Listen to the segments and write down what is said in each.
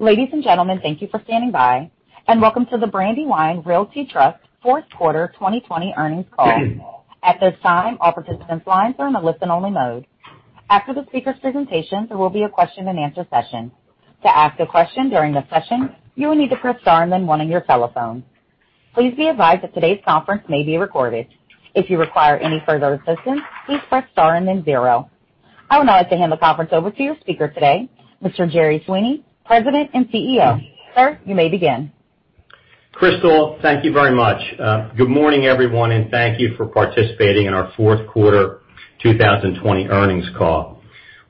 Ladies and gentlemen, thank you for standing by, and welcome to the Brandywine Realty Trust Fourth Quarter 2020 earnings call. At this time, all participants' lines are in a listen-only mode. After the speakers' presentation, there will be a question and answer session. To ask a question during the session, you will need to press star and then one on your telephone. Please be advised that today's conference may be recorded. If you require any further assistance, please press star and then zero. I would now like to hand the conference over to your speaker today, Mr. Jerry Sweeney, President and CEO. Sir, you may begin. Crystal, thank you very much. Good morning, everyone, and thank you for participating in our fourth quarter 2020 earnings call.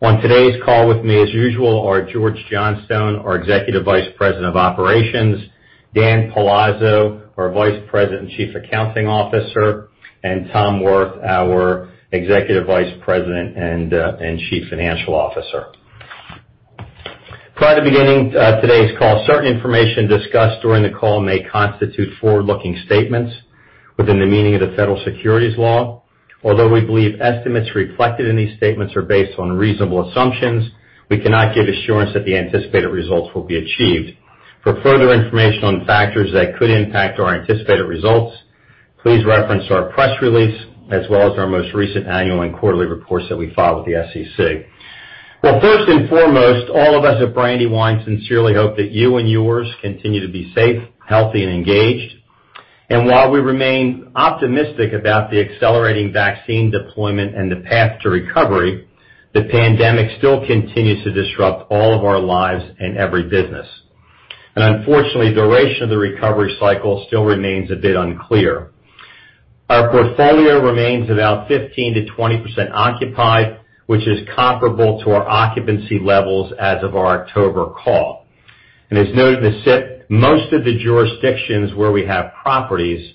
On today's call with me, as usual, are George Johnstone, our Executive Vice President of Operations, Dan Palazzo, our Vice President and Chief Accounting Officer, and Tom Wirth, our Executive Vice President and Chief Financial Officer. Prior to beginning today's call, certain information discussed during the call may constitute forward-looking statements within the meaning of the Federal Securities Law. Although we believe estimates reflected in these statements are based on reasonable assumptions, we cannot give assurance that the anticipated results will be achieved. For further information on factors that could impact our anticipated results, please reference our press release as well as our most recent annual and quarterly reports that we file with the SEC. Well, first and foremost, all of us at Brandywine sincerely hope that you and yours continue to be safe, healthy and engaged. While we remain optimistic about the accelerating vaccine deployment and the path to recovery, the pandemic still continues to disrupt all of our lives and every business. Unfortunately, duration of the recovery cycle still remains a bit unclear. Our portfolio remains about 15%-20% occupied, which is comparable to our occupancy levels as of our October call. As noted in the SIP, most of the jurisdictions where we have properties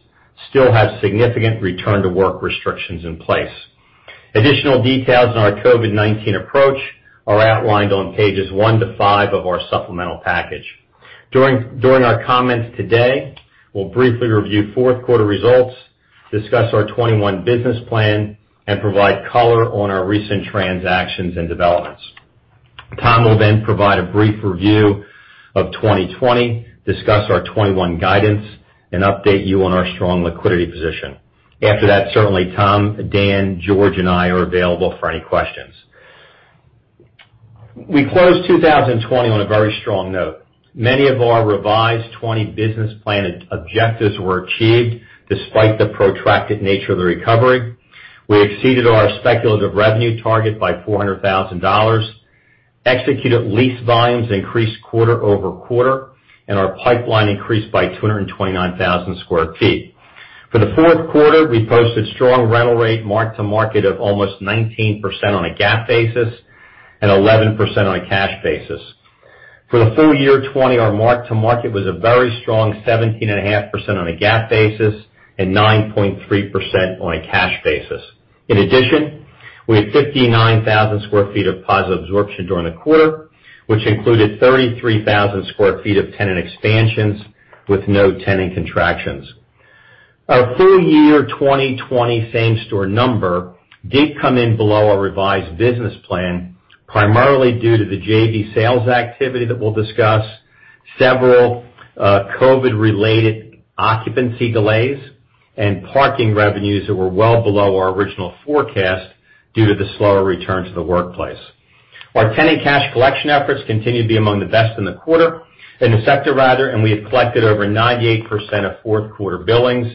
still have significant return-to-work restrictions in place. Additional details on our COVID-19 approach are outlined on pages one to five of our supplemental package. During our comments today, we'll briefly review fourth quarter results, discuss our 2021 business plan, and provide color on our recent transactions and developments. Tom will then provide a brief review of 2020, discuss our 2021 guidance, and update you on our strong liquidity position. After that, certainly Tom, Dan, George, and I are available for any questions. We closed 2020 on a very strong note. Many of our revised 2020 business plan objectives were achieved despite the protracted nature of the recovery. We exceeded our speculative revenue target by $400,000. Executed lease volumes increased quarter-over-quarter, our pipeline increased by 229,000 square feet. For the fourth quarter, we posted strong rental rate mark-to-market of almost 19% on a GAAP basis and 11% on a cash basis. For the full year 2020, our mark-to-market was a very strong 17.5% on a GAAP basis and 9.3% on a cash basis. In addition, we had 59,000 sq ft of positive absorption during the quarter, which included 33,000 sq ft of tenant expansions with no tenant contractions. Our full year 2020 same store number did come in below our revised business plan, primarily due to the JV sales activity that we'll discuss, several COVID-related occupancy delays, and parking revenues that were well below our original forecast due to the slower return to the workplace. Our tenant cash collection efforts continue to be among the best in the sector, rather, and we have collected over 98% of fourth quarter billings,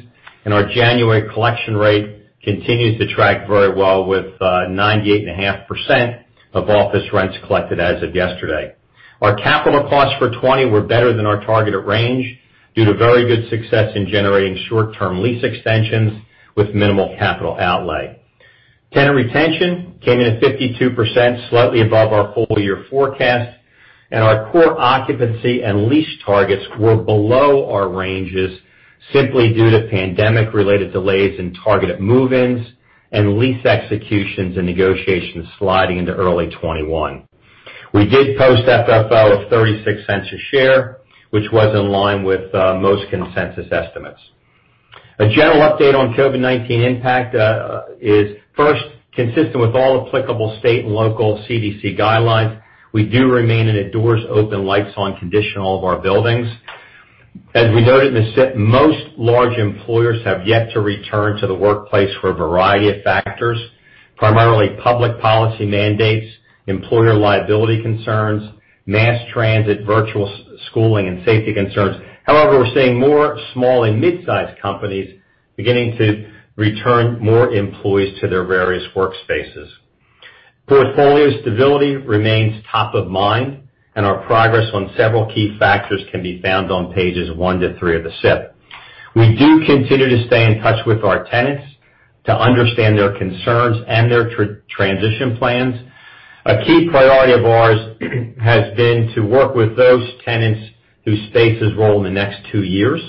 and our January collection rate continues to track very well with 98.5% of office rents collected as of yesterday. Our capital costs for 2020 were better than our targeted range due to very good success in generating short-term lease extensions with minimal capital outlay. Tenant retention came in at 52%, slightly above our full year forecast. Our core occupancy and lease targets were below our ranges, simply due to pandemic-related delays in targeted move-ins and lease executions and negotiations sliding into early 2021. We did post FFO of $0.36 a share, which was in line with most consensus estimates. A general update on COVID-19 impact is first consistent with all applicable state and local CDC guidelines. We do remain in a doors open, lights on condition in all of our buildings. As we noted in the SIP, most large employers have yet to return to the workplace for a variety of factors, primarily public policy mandates, employer liability concerns, mass transit, virtual schooling, and safety concerns. We're seeing more small and mid-sized companies beginning to return more employees to their various workspaces. Portfolio stability remains top of mind, and our progress on several key factors can be found on pages one to three of the SIP. We do continue to stay in touch with our tenants to understand their concerns and their transition plans. A key priority of ours has been to work with those tenants whose spaces roll in the next two years.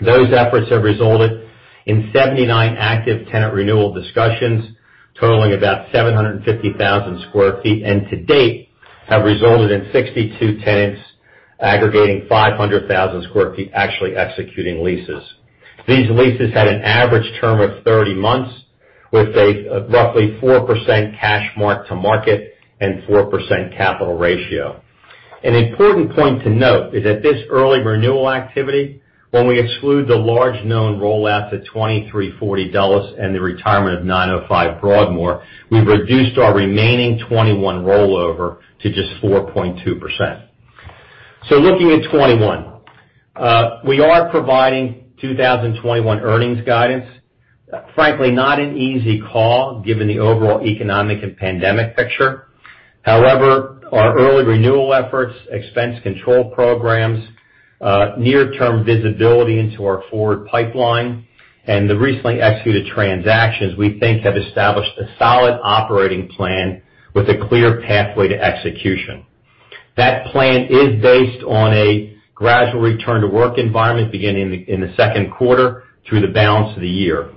Those efforts have resulted in 79 active tenant renewal discussions, totaling about 750,000 sq ft, and to date, have resulted in 62 tenants, aggregating 500,000 sq ft, actually executing leases. These leases had an average term of 30 months, with a roughly 4% cash mark-to-market and 4% capital ratio. An important point to note is that this early renewal activity, when we exclude the large known rollout to 2340 Dulles and the retirement of 905 Broadmoor, we've reduced our remaining 2021 rollover to just 4.2%. Looking at 2021. We are providing 2021 earnings guidance. Frankly, not an easy call, given the overall economic and pandemic picture. However, our early renewal efforts, expense control programs, near-term visibility into our forward pipeline, and the recently executed transactions, we think have established a solid operating plan with a clear pathway to execution. That plan is based on a gradual return to work environment beginning in the second quarter through the balance of the year.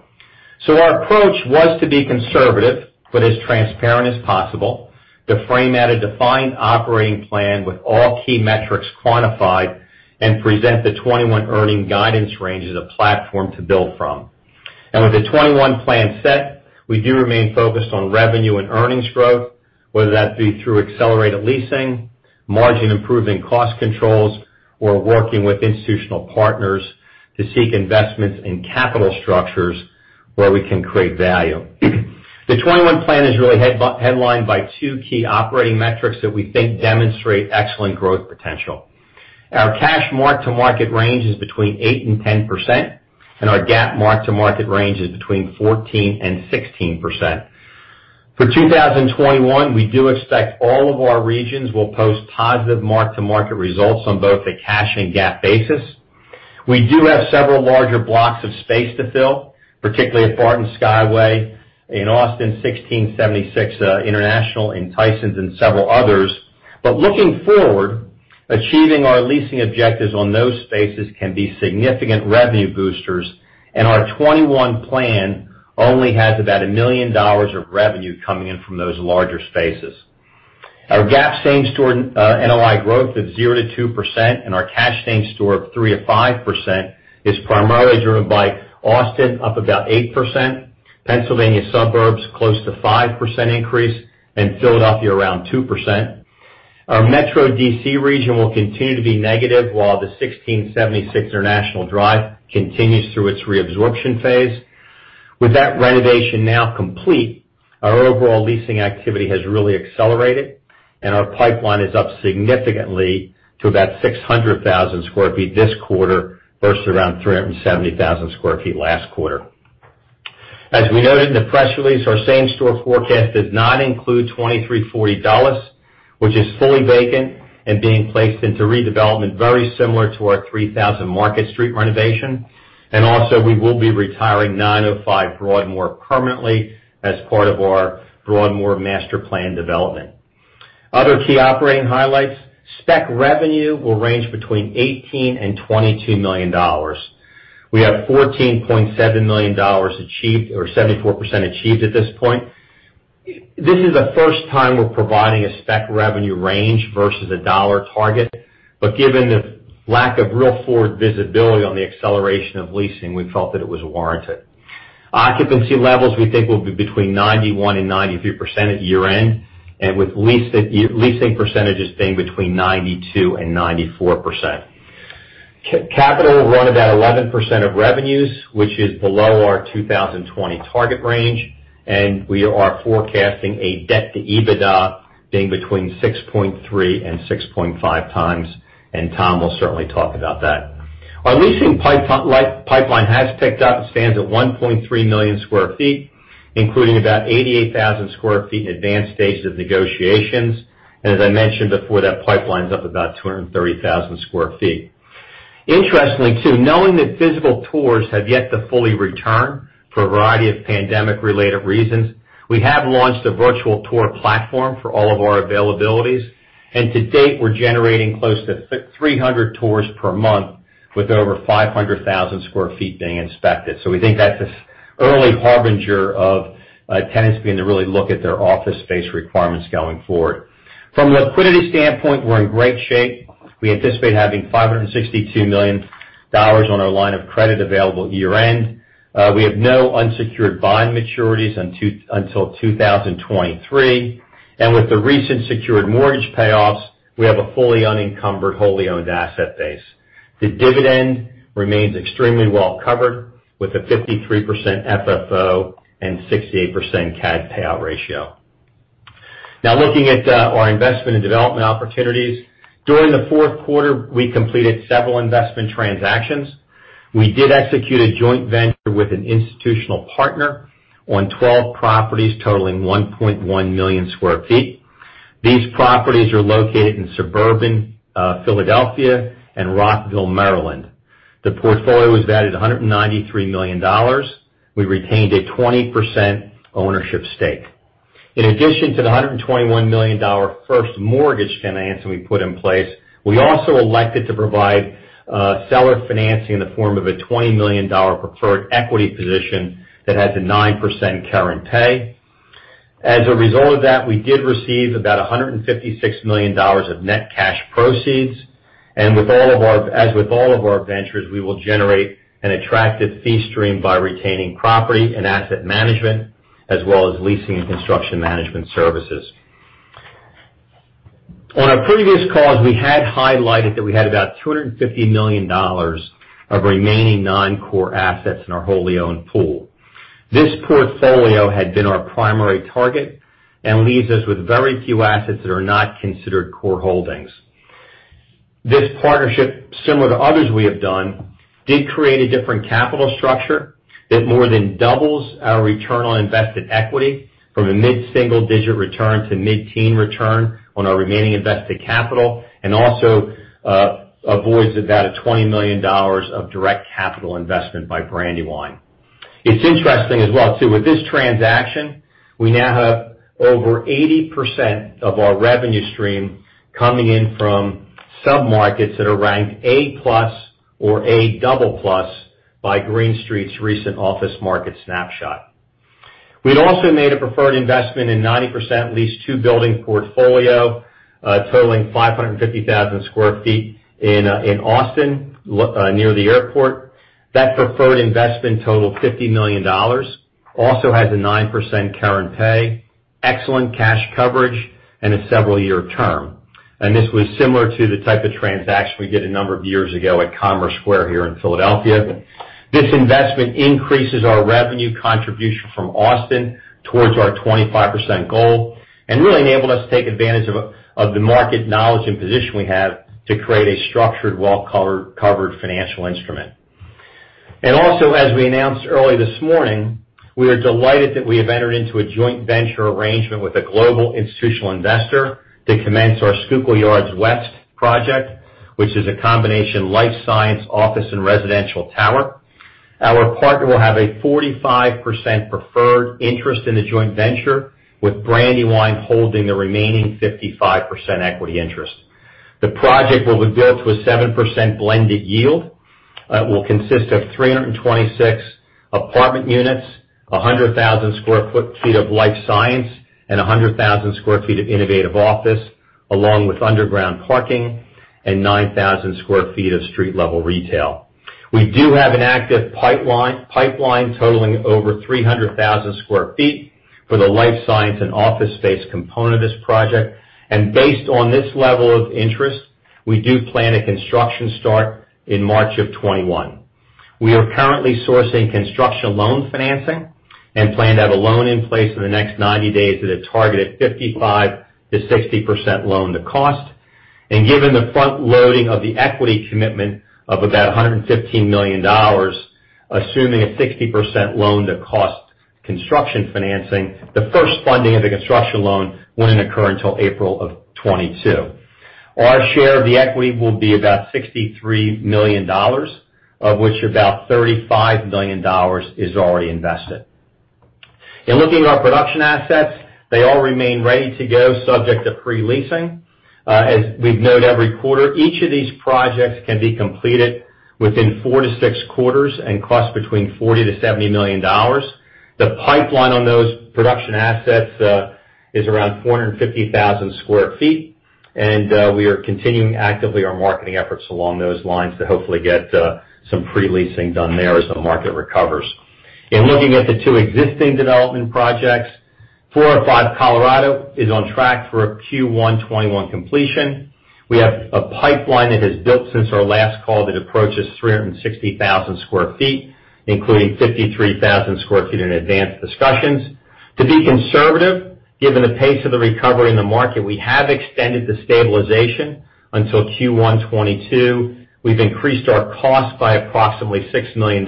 Our approach was to be conservative, but as transparent as possible, to frame out a defined operating plan with all key metrics quantified and present the 2021 earning guidance range as a platform to build from. With the 2021 plan set, we do remain focused on revenue and earnings growth, whether that be through accelerated leasing, margin-improving cost controls, or working with institutional partners to seek investments in capital structures where we can create value. The 2021 plan is really headlined by two key operating metrics that we think demonstrate excellent growth potential. Our cash mark-to-market range is between 8% and 10%, and our GAAP mark-to-market range is between 14% and 16%. For 2021, we do expect all of our regions will post positive mark-to-market results on both a cash and GAAP basis. We do have several larger blocks of space to fill, particularly at Barton Skyway, in Austin, 1676 International, in Tysons and several others. Looking forward, achieving our leasing objectives on those spaces can be significant revenue boosters, and our 2021 plan only has about $1 million of revenue coming in from those larger spaces. Our GAAP same-store NOI growth of 0%-2%, and our cash same store of 3%-5%, is primarily driven by Austin up about 8%, Pennsylvania suburbs close to 5% increase, and Philadelphia around 2%. Our Metro D.C. region will continue to be negative while the 1676 International Drive continues through its reabsorption phase. With that renovation now complete, our overall leasing activity has really accelerated, and our pipeline is up significantly to about 600,000 sq ft this quarter versus around 370,000 sq ft last quarter. As we noted in the press release, our same store forecast does not include 2340 Dulles, which is fully vacant and being placed into redevelopment very similar to our 3000 Market Street renovation. Also, we will be retiring 905 Broadmoor permanently as part of our Broadmoor master plan development. Other key operating highlights, spec revenue will range between $18 million and $22 million. We have $14.7 million achieved, or 74% achieved at this point. This is the first time we're providing a spec revenue range versus a dollar target, given the lack of real forward visibility on the acceleration of leasing, we felt that it was warranted. Occupancy levels we think will be between 91% and 93% at year-end, with leasing percentages being between 92% and 94%. Capital will run about 11% of revenues, which is below our 2020 target range. We are forecasting a debt to EBITDA being between 6.3x and 6.5x. Tom will certainly talk about that. Our leasing pipeline has picked up. It stands at 1.3 million square feet, including about 88,000 sq ft in advanced stages of negotiations. As I mentioned before, that pipeline's up about 230,000 sq ft. Interestingly too, knowing that physical tours have yet to fully return for a variety of pandemic-related reasons, we have launched a virtual tour platform for all of our availabilities. To date, we're generating close to 300 tours per month with over 500,000 sq ft being inspected. We think that's an early harbinger of tenants beginning to really look at their office space requirements going forward. From a liquidity standpoint, we're in great shape. We anticipate having $562 million on our line of credit available year-end. We have no unsecured bond maturities until 2023. With the recent secured mortgage payoffs, we have a fully unencumbered, wholly owned asset base. The dividend remains extremely well covered with a 53% FFO and 68% CAD payout ratio. Now looking at our investment and development opportunities. During the fourth quarter, we completed several investment transactions. We did execute a joint venture with an institutional partner on 12 properties totaling 1.1 million square feet. These properties are located in suburban Philadelphia and Rockville, Maryland. The portfolio was valued at $193 million. We retained a 20% ownership stake. In addition to the $121 million first mortgage financing we put in place, we also elected to provide seller financing in the form of a $20 million preferred equity position that has a 9% current pay. As a result of that, we did receive about $156 million of net cash proceeds, and as with all of our ventures, we will generate an attractive fee stream by retaining property and asset management, as well as leasing and construction management services. On our previous calls, we had highlighted that we had about $250 million of remaining non-core assets in our wholly owned pool. This portfolio had been our primary target and leaves us with very few assets that are not considered core holdings. This partnership, similar to others we have done, did create a different capital structure that more than doubles our return on invested equity from a mid-single-digit return to mid-teen return on our remaining invested capital, and also avoids about a $20 million of direct capital investment by Brandywine. It's interesting as well too, with this transaction, we now have over 80% of our revenue stream coming in from sub-markets that are ranked A+ or A++ by Green Street's recent office market snapshot. We'd also made a preferred investment in 90% leased two building portfolio, totaling 550,000 sq ft in Austin, near the airport. That preferred investment totaled $50 million, also has a 9% current pay, excellent cash coverage, and a several-year term. This was similar to the type of transaction we did a number of years ago at Commerce Square here in Philadelphia. This investment increases our revenue contribution from Austin towards our 25% goal. Really enabled us to take advantage of the market knowledge and position we have to create a structured, well-covered financial instrument. Also, as we announced early this morning, we are delighted that we have entered into a joint venture arrangement with a global institutional investor to commence our Schuylkill Yards West project, which is a combination life science, office, and residential tower. Our partner will have a 45% preferred interest in the joint venture, with Brandywine holding the remaining 55% equity interest. The project will be built to a 7% blended yield, will consist of 326 apartment units, 100,000 sq ft of life science, and 100,000 sq ft of innovative office, along with underground parking and 9,000 sq ft of street-level retail. We do have an active pipeline totaling over 300,000 sq ft for the life science and office space component of this project. Based on this level of interest, we do plan a construction start in March of 2021. We are currently sourcing construction loan financing and plan to have a loan in place in the next 90 days at a targeted 55%-60% loan-to-cost. Given the frontloading of the equity commitment of about $115 million, assuming a 60% loan to cost construction financing, the first funding of the construction loan wouldn't occur until April of 2022. Our share of the equity will be about $63 million, of which about $35 million is already invested. In looking at our production assets, they all remain ready to go, subject to pre-leasing. As we've noted every quarter, each of these projects can be completed within four to six quarters and cost between $40 million-$70 million. The pipeline on those production assets is around 450,000 sq ft, and we are continuing actively our marketing efforts along those lines to hopefully get some pre-leasing done there as the market recovers. In looking at the two existing development projects, 405 Colorado is on track for a Q1 2021 completion. We have a pipeline that has built since our last call that approaches 360,000 sq ft, including 53,000 sq ft in advanced discussions. To be conservative, given the pace of the recovery in the market, we have extended the stabilization until Q1 2022. We've increased our cost by approximately $6 million,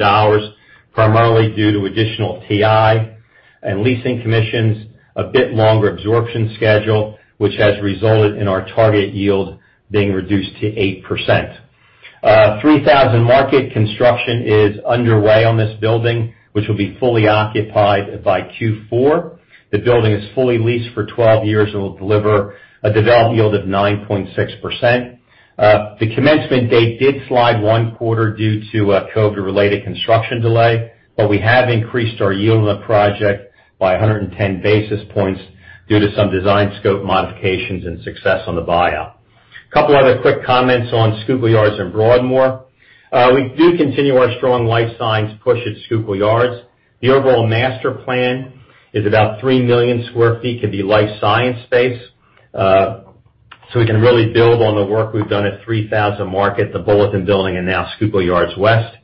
primarily due to additional TI and leasing commissions, a bit longer absorption schedule, which has resulted in our target yield being reduced to 8%. 3000 Market construction is underway on this building, which will be fully occupied by Q4. The building is fully leased for 12 years and will deliver a developed yield of 9.6%. The commencement date did slide one quarter due to a COVID-related construction delay, but we have increased our yield on the project by 110 basis points due to some design scope modifications and success on the buyout. A couple other quick comments on Schuylkill Yards and Broadmoor. We do continue our strong life science push at Schuylkill Yards. The overall master plan is about 3 million sq ft to be life science space. We can really build on the work we've done at 3000 Market, the Bulletin Building, and now Schuylkill Yards West.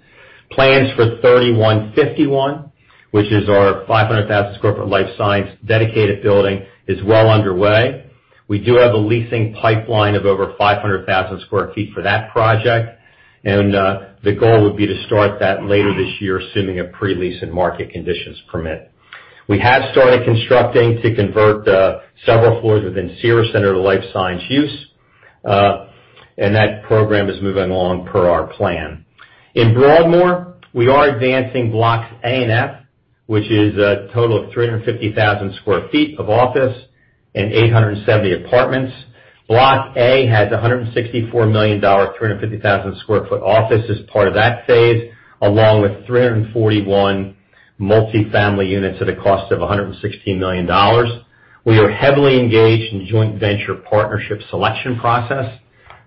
Plans for 3151, which is our 500,000 sq ft life science dedicated building, is well underway. We do have a leasing pipeline of over 500,000 sq ft for that project, and the goal would be to start that later this year, assuming a pre-lease and market conditions permit. We have started constructing to convert several floors within Cira Centre to life science use, and that program is moving along per our plan. In Broadmoor, we are advancing Blocks A and F, which is a total of 350,000 sq ft of office and 870 apartments. Block A has a $164 million, 350,000 sq ft office as part of that phase, along with 341 multi-family units at a cost of $116 million. We are heavily engaged in joint venture partnership selection process.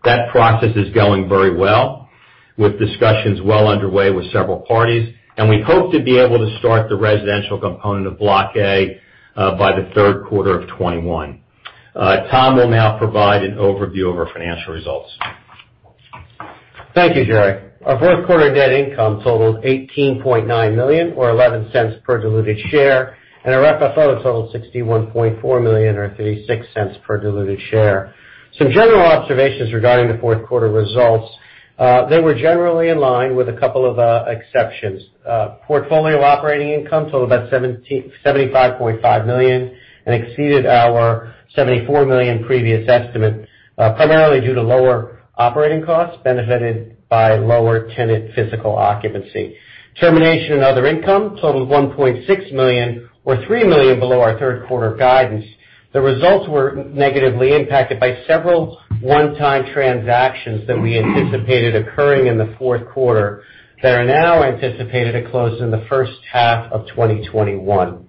That process is going very well, with discussions well underway with several parties, we hope to be able to start the residential component of Block A by the third quarter of 2021. Tom will now provide an overview of our financial results. Thank you, Jerry. Our fourth quarter net income totaled $18.9 million, or $0.11 per diluted share, and our FFO totaled $61.4 million, or $0.36 per diluted share. Some general observations regarding the fourth quarter results. They were generally in line with a couple of exceptions. Portfolio operating income totaled about $75.5 million and exceeded our $74 million previous estimate, primarily due to lower operating costs benefited by lower tenant physical occupancy. Termination and other income totaled $1.6 million or $3 million below our third quarter guidance. The results were negatively impacted by several one-time transactions that we anticipated occurring in the fourth quarter that are now anticipated to close in the first half of 2021.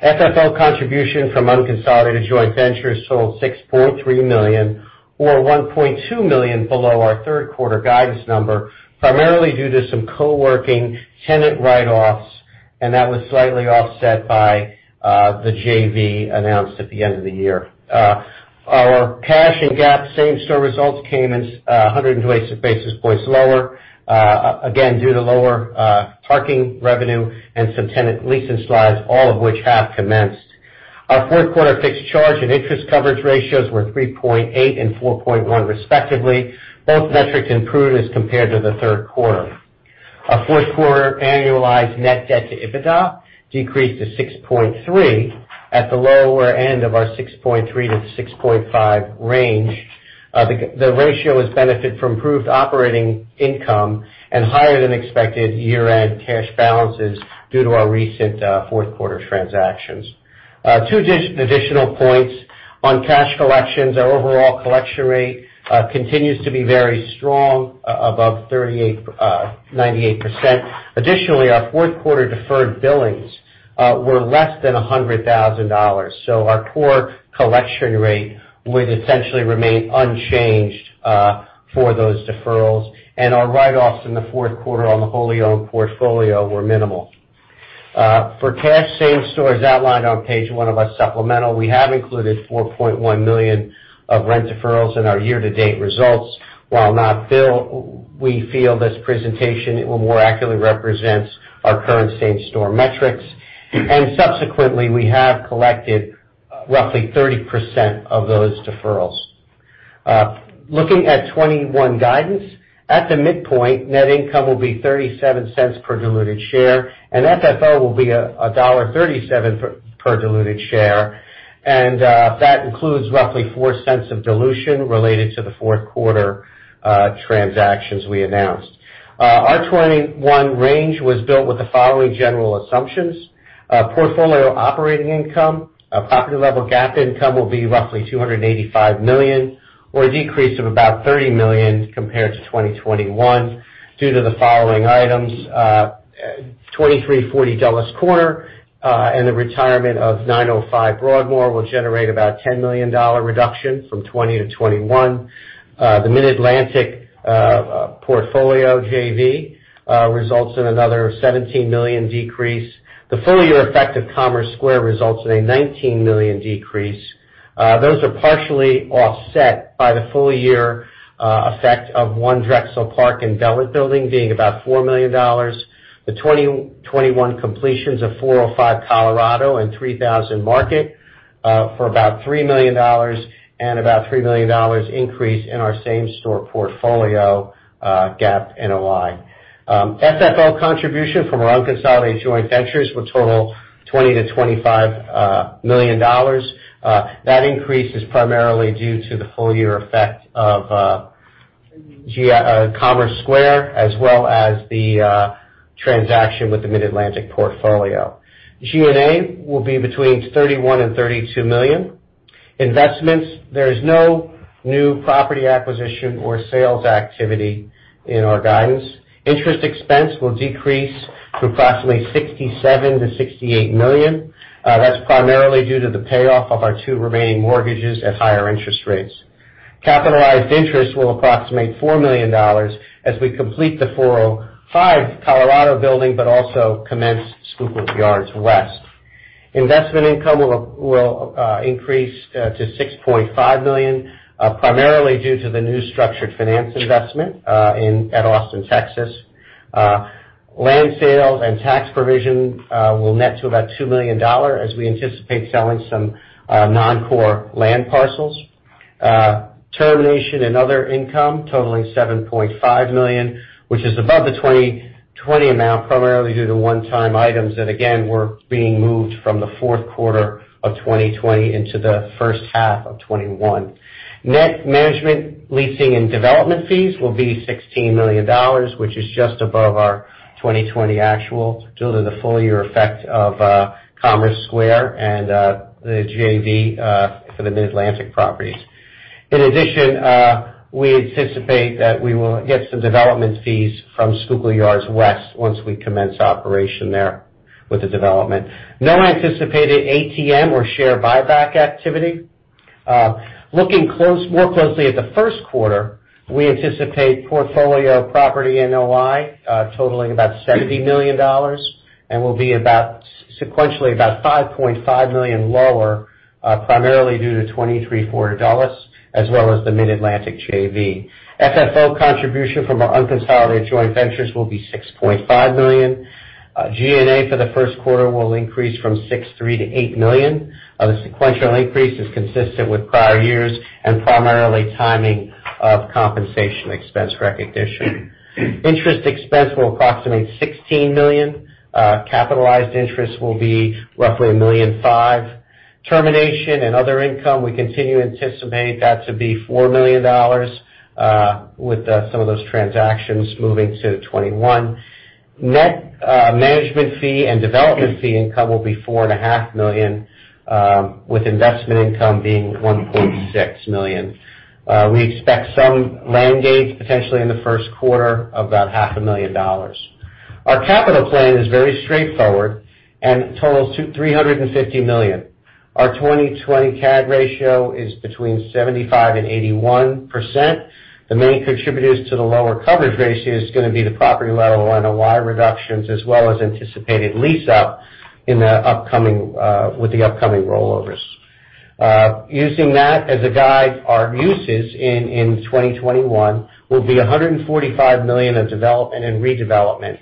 FFO contribution from unconsolidated joint ventures totaled $6.3 million, or $1.2 million below our third quarter guidance number, primarily due to some co-working tenant write-offs. That was slightly offset by the JV announced at the end of the year. Our cash and GAAP same-store results came in 120 basis points lower. Again, due to lower parking revenue and some tenant lease-in slides, all of which have commenced. Our fourth quarter fixed charge and interest coverage ratios were 3.8 and 4.1 respectively. Both metrics improved as compared to the third quarter. Our fourth quarter annualized net debt to EBITDA decreased to 6.3 at the lower end of our 6.3-6.5 range. The ratio has benefited from improved operating income and higher than expected year-end cash balances due to our recent fourth quarter transactions. Two additional points. On cash collections, our overall collection rate continues to be very strong, above 98%. Our fourth quarter deferred billings were less than $100,000. Our core collection rate would essentially remain unchanged for those deferrals, and our write-offs in the fourth quarter on the wholly owned portfolio were minimal. For cash same stores outlined on page one of our supplemental, we have included $4.1 million of rent deferrals in our year-to-date results. While not billed, we feel this presentation more accurately represents our current same-store metrics. Subsequently, we have collected roughly 30% of those deferrals. Looking at 2021 guidance. At the midpoint, net income will be $0.37 per diluted share, and FFO will be $1.37 per diluted share. That includes roughly $0.04 of dilution related to the fourth quarter transactions we announced. Our 2021 range was built with the following general assumptions. Portfolio operating income. Property level GAAP income will be roughly $285 million, or a decrease of about $30 million compared to 2021 due to the following items. 2340 Dulles Corner and the retirement of 905 Broadmoor will generate about a $10 million reduction from 2020 to 2021. The Mid-Atlantic portfolio JV results in another $17 million decrease. The full year effect of Commerce Square results in a $19 million decrease. Those are partially offset by the full year effect of One Drexel Park and Dulles Building being about $4 million. The 2021 completions of 405 Colorado and 3000 Market for about $3 million and about $3 million increase in our same store portfolio GAAP NOI. FFO contribution from our unconsolidated joint ventures will total $20 million to $25 million. That increase is primarily due to the full year effect of Commerce Square as well as the transaction with the Mid-Atlantic portfolio. G&A will be between $31 million and $32 million. Investments, there is no new property acquisition or sales activity in our guidance. Interest expense will decrease to approximately $67 million-$68 million. That's primarily due to the payoff of our two remaining mortgages at higher interest rates. Capitalized interest will approximate $4 million as we complete the 405 Colorado building, also commence Schuylkill Yards West. Investment income will increase to $6.5 million, primarily due to the new structured finance investment at Austin, Texas. Land sales and tax provision will net to about $2 million, as we anticipate selling some non-core land parcels. Termination and other income totaling $7.5 million, which is above the 2020 amount, primarily due to one-time items that again, were being moved from the fourth quarter of 2020 into the first half of 2021. Net management leasing and development fees will be $16 million, which is just above our 2020 actual due to the full year effect of Commerce Square and the JV for the Mid-Atlantic properties. In addition, we anticipate that we will get some development fees from Schuylkill Yards West once we commence operation there with the development. No anticipated ATM or share buyback activity. Looking more closely at the first quarter, we anticipate portfolio property NOI totaling about $70 million and will be sequentially about $5.5 million lower, primarily due to 2340 Dulles as well as the Mid-Atlantic JV. FFO contribution from our unconsolidated joint ventures will be $6.5 million. G&A for the first quarter will increase from $6.3 million to $8 million. The sequential increase is consistent with prior years and primarily timing of compensation expense recognition. Interest expense will approximate $16 million. Capitalized interest will be roughly $1.5 million. Termination and other income, we continue to anticipate that to be $4 million with some of those transactions moving to 2021. Net management fee and development fee income will be $4.5 million, with investment income being $1.6 million. We expect some land gains potentially in the first quarter of about $500,000. Our capital plan is very straightforward and totals to $350 million. Our 2020 CAD ratio is between 75% and 81%. The main contributors to the lower coverage ratio is going to be the property level NOI reductions, as well as anticipated lease-up with the upcoming rollovers. Using that as a guide, our uses in 2021 will be $145 million in development and redevelopment.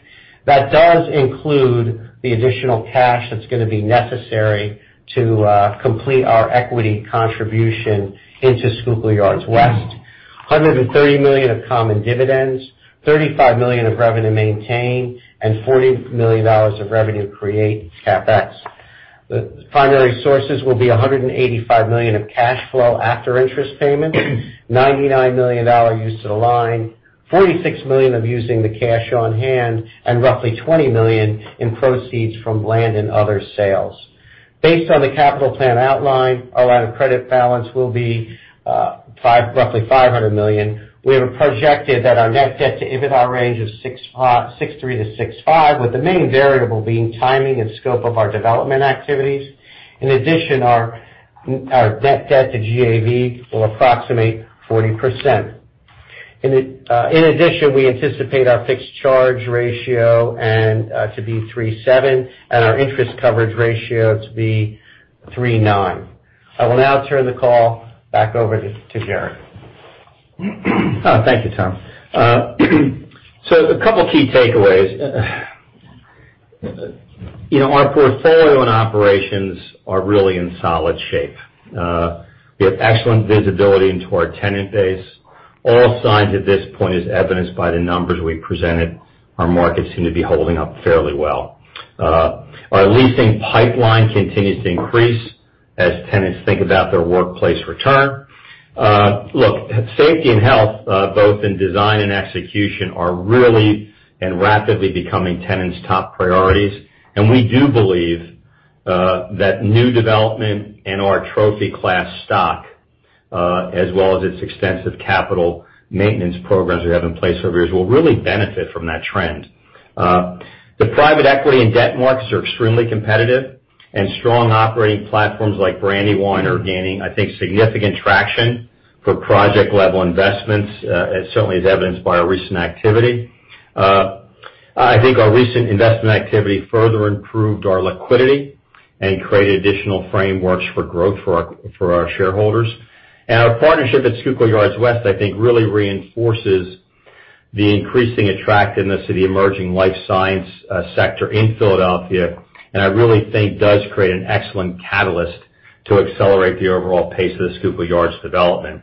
That does include the additional cash that's going to be necessary to complete our equity contribution into Schuylkill Yards West. $130 million of common dividends, $35 million of revenue maintain, and $40 million of revenue create CapEx. The primary sources will be $185 million of cash flow after interest payments, $99 million used to the line, $46 million of using the cash on hand, and roughly $20 million in proceeds from land and other sales. Based on the capital plan outline, our line of credit balance will be roughly $500 million. We have projected that our net debt to EBITDA range is 6.3-6.5, with the main variable being timing and scope of our development activities. In addition, our net debt to GAV will approximate 40%. In addition, we anticipate our fixed charge ratio to be 3.7, and our interest coverage ratio to be 3.9. I will now turn the call back over to Jerry. Thank you, Tom. A couple of key takeaways. Our portfolio and operations are really in solid shape. We have excellent visibility into our tenant base. All signs at this point, as evidenced by the numbers we presented, our markets seem to be holding up fairly well. Our leasing pipeline continues to increase as tenants think about their workplace return. Look, safety and health, both in design and execution, are really and rapidly becoming tenants' top priorities, and we do believe that new development in our trophy class stock, as well as its extensive capital maintenance programs we have in place over the years, will really benefit from that trend. The private equity and debt markets are extremely competitive, and strong operating platforms like Brandywine are gaining, I think, significant traction for project-level investments, certainly as evidenced by our recent activity. I think our recent investment activity further improved our liquidity and created additional frameworks for growth for our shareholders. Our partnership at Schuylkill Yards West, I think, really reinforces the increasing attractiveness of the emerging life science sector in Philadelphia, and I really think does create an excellent catalyst to accelerate the overall pace of the Schuylkill Yards development.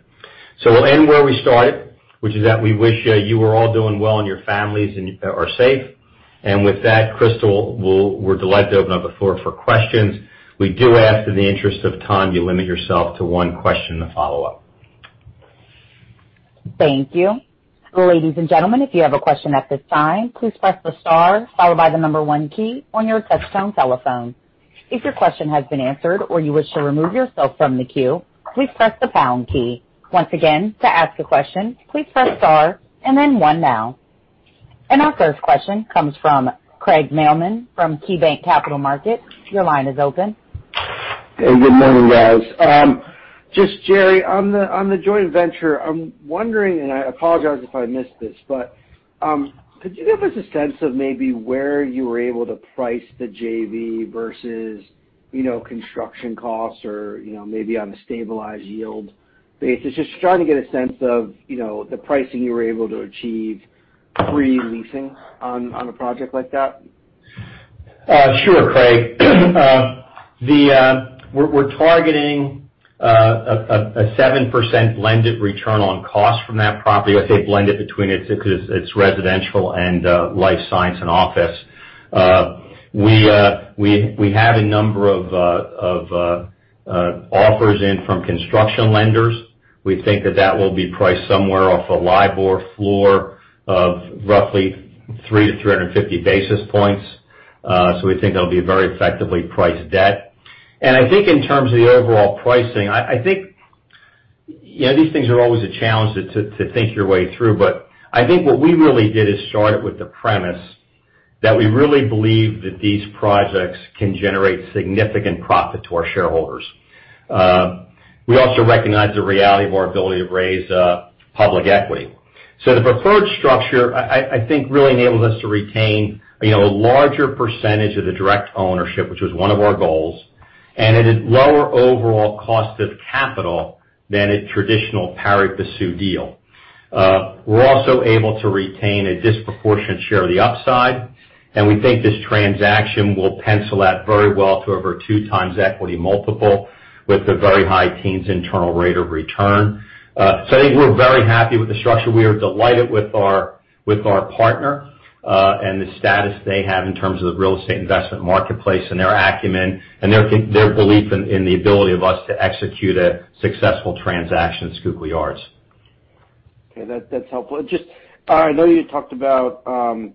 We'll end where we started, which is that we wish you were all doing well and your families are safe. With that, Crystal, we're delighted to open up the floor for questions. We do ask in the interest of time, you limit yourself to one question and follow-up. Thank you. Ladies and gentleman if you have a question at this time please press the star followed by the number one key on your touch-tone telephone. If you're question has been answered or you wish to remove yourself from the queue please press the pound key. Once again to ask a question please press star and then one now. Our first question comes from Craig Mailman from KeyBanc Capital Markets. Hey, good morning, guys. Just Jerry, on the joint venture, I'm wondering, and I apologize if I missed this, but could you give us a sense of maybe where you were able to price the JV versus construction costs or maybe on a stabilized yield basis? Just trying to get a sense of the pricing you were able to achieve pre-leasing on a project like that. Sure, Craig. We're targeting a 7% blended return on cost from that property. I say blended between it because it's residential and life science and office. We have a number of offers in from construction lenders. We think that that will be priced somewhere off a LIBOR floor of roughly 300 basis points-350 basis points. We think it'll be a very effectively priced debt. I think in terms of the overall pricing, these things are always a challenge to think your way through. I think what we really did is started with the premise that we really believe that these projects can generate significant profit to our shareholders. We also recognize the reality of our ability to raise public equity. The preferred structure, I think, really enables us to retain a larger percentage of the direct ownership, which was one of our goals, and at a lower overall cost of capital than a traditional pari passu deal. We're also able to retain a disproportionate share of the upside, and we think this transaction will pencil out very well to over 2x equity multiple with a very high teens internal rate of return. I think we're very happy with the structure. We are delighted with our partner, and the status they have in terms of the real estate investment marketplace and their acumen and their belief in the ability of us to execute a successful transaction at Schuylkill Yards. Okay. That's helpful. I know you talked about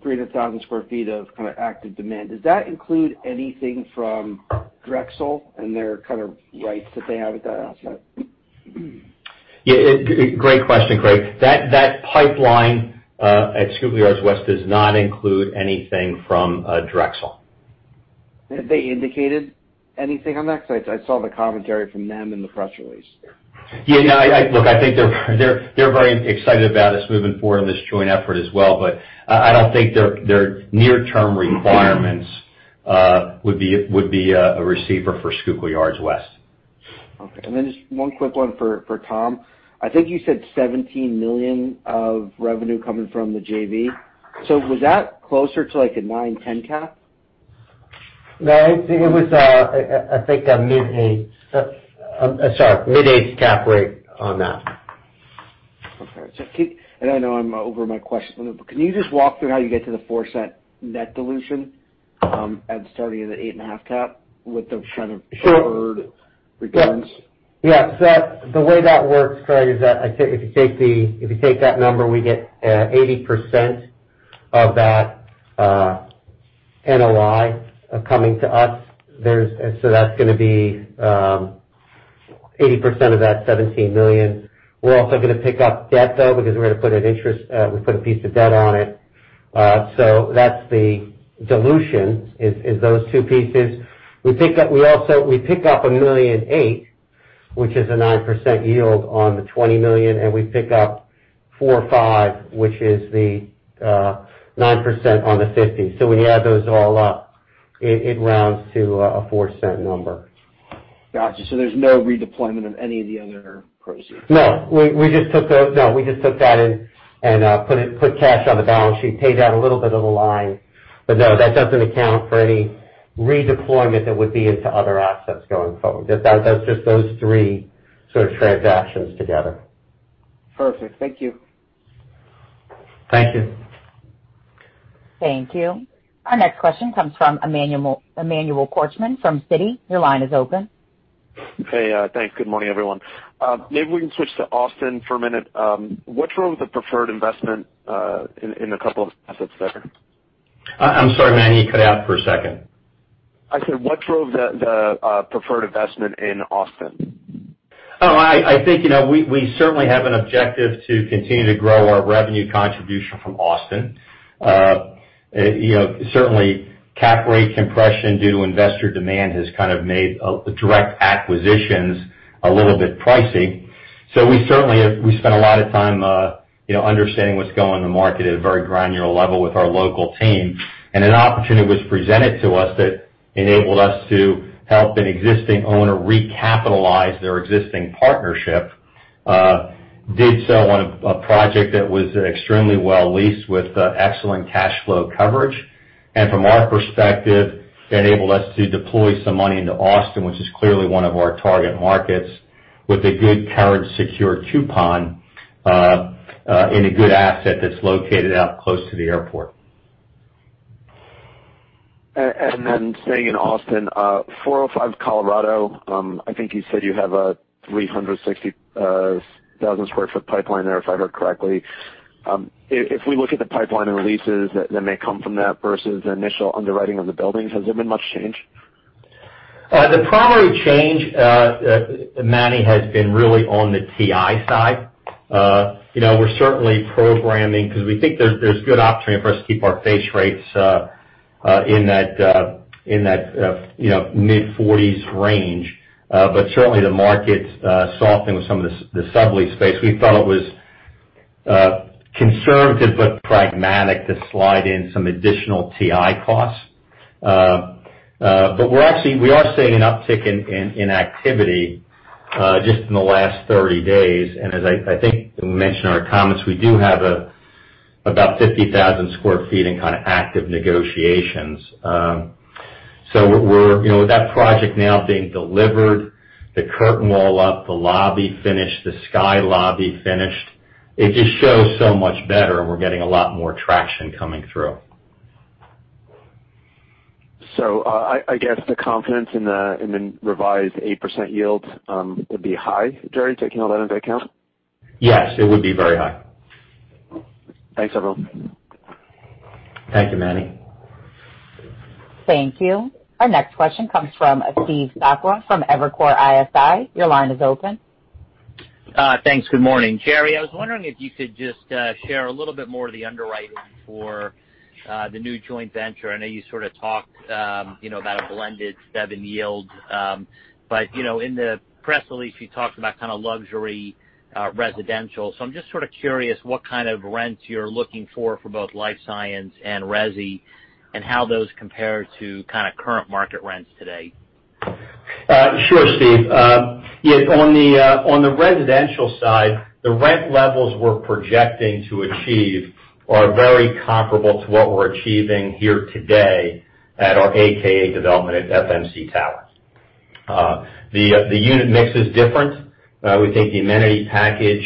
300,000 sq ft of kind of active demand. Does that include anything from Drexel and their kind of rights that they have at that asset? Yeah. Great question, Craig. That pipeline at Schuylkill Yards West does not include anything from Drexel. Have they indicated anything on that? Because I saw the commentary from them in the press release. Yeah. Look, I think they're very excited about us moving forward in this joint effort as well, but I don't think their near-term requirements would be a receiver for Schuylkill Yards West. Okay. Just one quick one for Tom. I think you said $17 million of revenue coming from the JV. Was that closer to like a nine, 10 cap? No, it was I think a mid-eight cap rate on that. Okay. I know I'm over my question. Can you just walk through how you get to the $0.04 net dilution, and starting at the 8.5 cap with the kind of shared returns? The way that works, Craig, is that if you take that number, we get 80% of that NOI coming to us. That's going to be 80% of that $17 million. We're also going to pick up debt, though, because we put a piece of debt on it. That's the dilution is those two pieces. We pick up $1.8 million, which is a 9% yield on the $20 million, and we pick up $4.5 million, which is the 9% on the $50 million. When you add those all up, it rounds to a $0.04 number. Got you. There's no redeployment of any of the other proceeds. No, we just took that in and put cash on the balance sheet, paid down a little bit of a line. No, that doesn't account for any redeployment that would be into other assets going forward. That's just those three sort of transactions together. Perfect. Thank you. Thank you. Thank you. Our next question comes from Emmanuel Korchman from Citi. Your line is open. Hey, thanks. Good morning, everyone. Maybe we can switch to Austin for a minute. What drove the preferred investment in a couple of assets there? I'm sorry, Manny, you cut out for a second. I said, what drove the preferred investment in Austin? Oh, I think, we certainly have an objective to continue to grow our revenue contribution from Austin. Certainly cap rate compression due to investor demand has kind of made direct acquisitions a little bit pricey. We certainly have spent a lot of time understanding what's going on in the market at a very granular level with our local team. An opportunity was presented to us that enabled us to help an existing owner recapitalize their existing partnership, did so on a project that was extremely well leased with excellent cash flow coverage. From our perspective, it enabled us to deploy some money into Austin, which is clearly one of our target markets, with a good carried secure coupon, in a good asset that's located out close to the airport. Staying in Austin, 405 Colorado, I think you said you have a 360,000 sq ft pipeline there, if I heard correctly. If we look at the pipeline and leases that may come from that versus the initial underwriting of the buildings, has there been much change? The primary change, Manny, has been really on the TI side. We're certainly programming because we think there's good opportunity for us to keep our face rates in that mid-40s range. Certainly the market softening with some of the sublease space, we thought it was conservative but pragmatic to slide in some additional TI costs. We are seeing an uptick in activity, just in the last 30 days. As I think we mentioned in our comments, we do have about 50,000 sq ft in kind of active negotiations. With that project now being delivered, the curtain wall up, the lobby finished, the sky lobby finished, it just shows so much better and we're getting a lot more traction coming through. I guess the confidence in the revised 8% yield would be high, Jerry, taking all that into account? Yes, it would be very high. Thanks, everyone. Thank you, Manny. Thank you. Our next question comes from Steve Sakwa from Evercore ISI. Your line is open. Thanks. Good morning. Jerry, I was wondering if you could just share a little bit more of the underwriting for the new joint venture. I know you sort of talked about a blended seven yield. In the press release, you talked about kind of luxury residential. I'm just sort of curious what kind of rents you're looking for both life science and resi, and how those compare to kind of current market rents today. Sure, Steve. On the residential side, the rent levels we're projecting to achieve are very comparable to what we're achieving here today at our AKA development at FMC Tower. The unit mix is different. We think the amenity package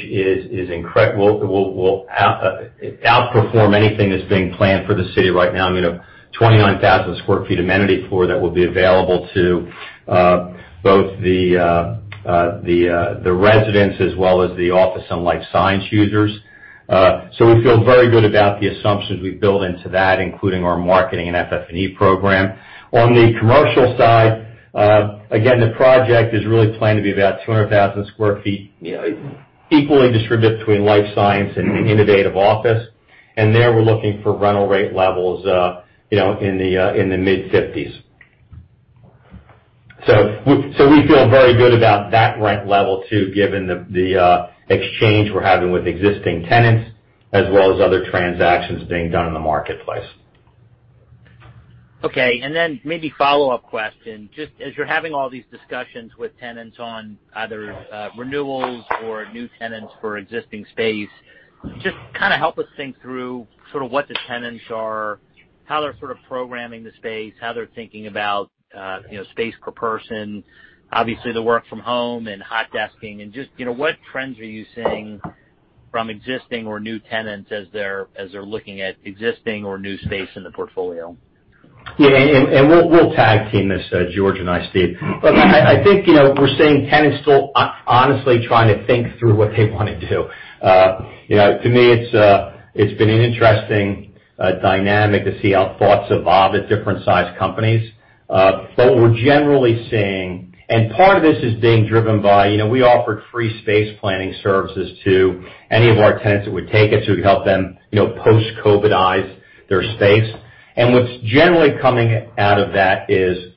will outperform anything that's being planned for the city right now. 29,000 sq ft amenity floor that will be available to both the residents as well as the office and life science users. We feel very good about the assumptions we've built into that, including our marketing and FF&E program. On the commercial side, again, the project is really planned to be about 200,000 sq ft, equally distributed between life science and innovative office. There, we're looking for rental rate levels in the mid-$50s. We feel very good about that rent level too, given the exchange we're having with existing tenants, as well as other transactions being done in the marketplace. Okay. Maybe a follow-up question. Just as you're having all these discussions with tenants on either renewals or new tenants for existing space, just kind of help us think through sort of what the tenants are, how they're sort of programming the space, how they're thinking about space per person, obviously the work from home and hot desking, and just what trends are you seeing from existing or new tenants as they're looking at existing or new space in the portfolio? Yeah. We'll tag team this, George and I, Steve. I think we're seeing tenants still honestly trying to think through what they want to do. To me, it's been an interesting dynamic to see how thoughts evolve at different sized companies. We're generally seeing-- and part of this is being driven by we offered free space planning services to any of our tenants that would take it, to help them post-COVIDize their space. What's generally coming out of that is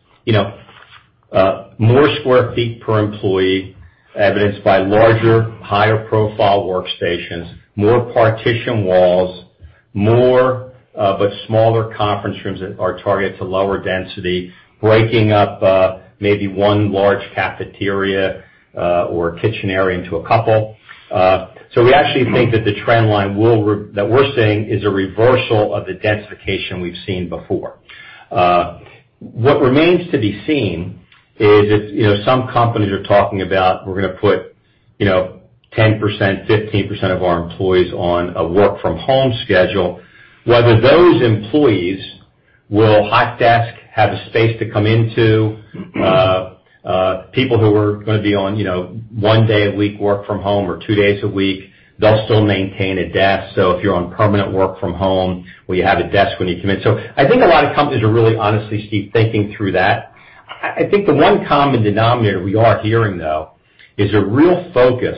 more square feet per employee, evidenced by larger, higher profile workstations, more partition walls, more but smaller conference rooms that are targeted to lower density, breaking up maybe one large cafeteria or kitchen area into a couple. We actually think that the trend line that we're seeing is a reversal of the densification we've seen before. What remains to be seen is if some companies are talking about, we're going to put 10%, 15% of our employees on a work from home schedule. Whether those employees will hot desk, have a space to come into. People who are going to be on one day a week work from home or two days a week, they'll still maintain a desk. If you're on permanent work from home, will you have a desk when you come in? I think a lot of companies are really honestly, Steve, thinking through that. I think the one common denominator we are hearing, though, is a real focus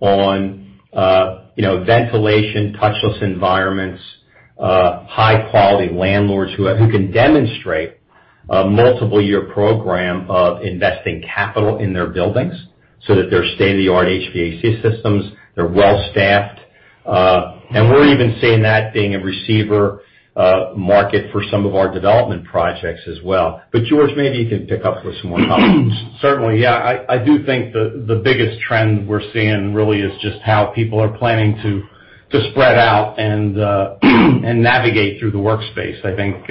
on ventilation, touchless environments, high quality landlords who can demonstrate a multiple year program of investing capital in their buildings, so that they're state-of-the-art HVAC systems, they're well-staffed. We're even seeing that being a receiver market for some of our development projects as well. George, maybe you can pick up with some more thoughts. Certainly, yeah. I do think the biggest trend we're seeing really is just how people are planning to spread out and navigate through the workspace. I think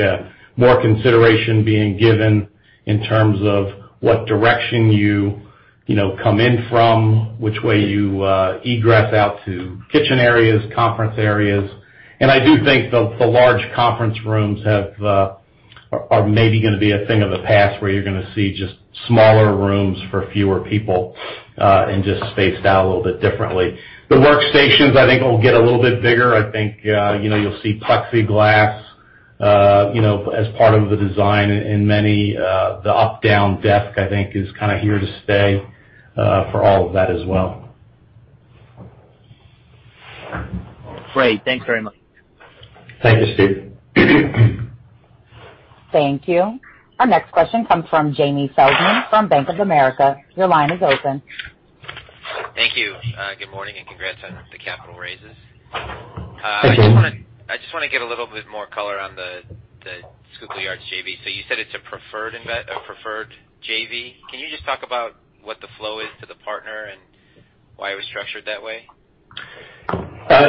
more consideration being given in terms of what direction you come in from, which way you egress out to kitchen areas, conference areas. I do think the large conference rooms are maybe going to be a thing of the past, where you're going to see just smaller rooms for fewer people, and just spaced out a little bit differently. The workstations, I think, will get a little bit bigger. I think you'll see plexiglass as part of the design in many. The up-down desk, I think, is kind of here to stay for all of that as well. Great. Thanks very much. Thank you, Steve. Thank you. Our next question comes from Jamie Feldman from Bank of America. Your line is open. Thank you. Good morning, and congrats on the capital raises. I just want to get a little bit more color on the Schuylkill Yards JV. You said it's a preferred JV. Can you just talk about what the flow is to the partner and why it was structured that way?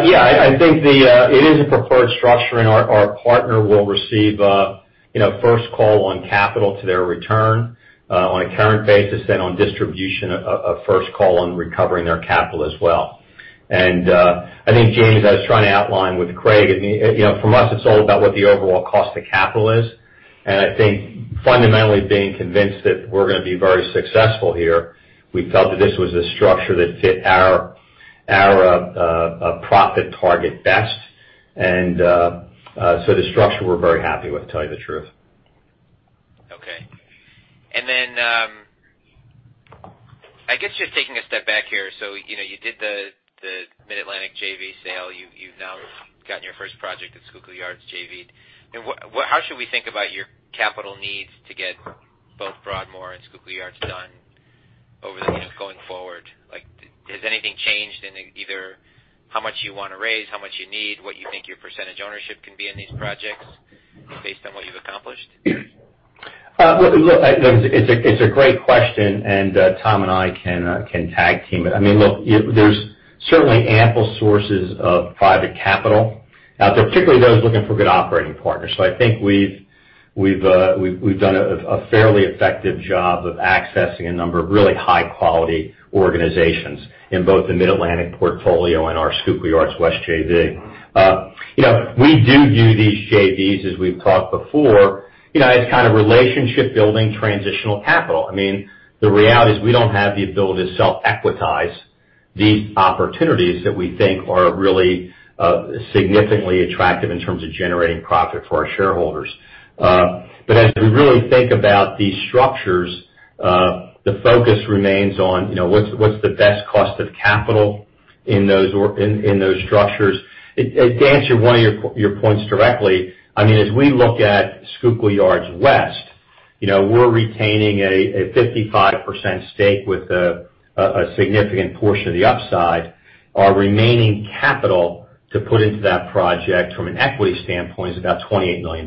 Yeah, I think it is a preferred structure, and our partner will receive first call on capital to their return on a current basis, then on distribution, a first call on recovering their capital as well. I think Jamie, as I was trying to outline with Craig, from us, it's all about what the overall cost of capital is. I think fundamentally being convinced that we're going to be very successful here, we felt that this was a structure that fit our profit target best. The structure, we're very happy with, to tell you the truth. Okay. I guess just taking a step back here, you did the Mid-Atlantic JV sale. You've now gotten your first project at Schuylkill Yards JV. How should we think about your capital needs to get both Broadmoor and Schuylkill Yards done going forward? Has anything changed in either how much you want to raise, how much you need, what you think your percentage ownership can be in these projects based on what you've accomplished? It's a great question, and Tom and I can tag team it. There's certainly ample sources of private capital out there, particularly those looking for good operating partners. I think we've done a fairly effective job of accessing a number of really high-quality organizations in both the Mid-Atlantic portfolio and our Schuylkill Yards West JV. We do view these JVs, as we've talked before, as kind of relationship-building transitional capital. The reality is we don't have the ability to self-equitize these opportunities that we think are really significantly attractive in terms of generating profit for our shareholders. As we really think about these structures, the focus remains on what's the best cost of capital in those structures. To answer one of your points directly, as we look at Schuylkill Yards West, we're retaining a 55% stake with a significant portion of the upside. Our remaining capital to put into that project from an equity standpoint is about $28 million.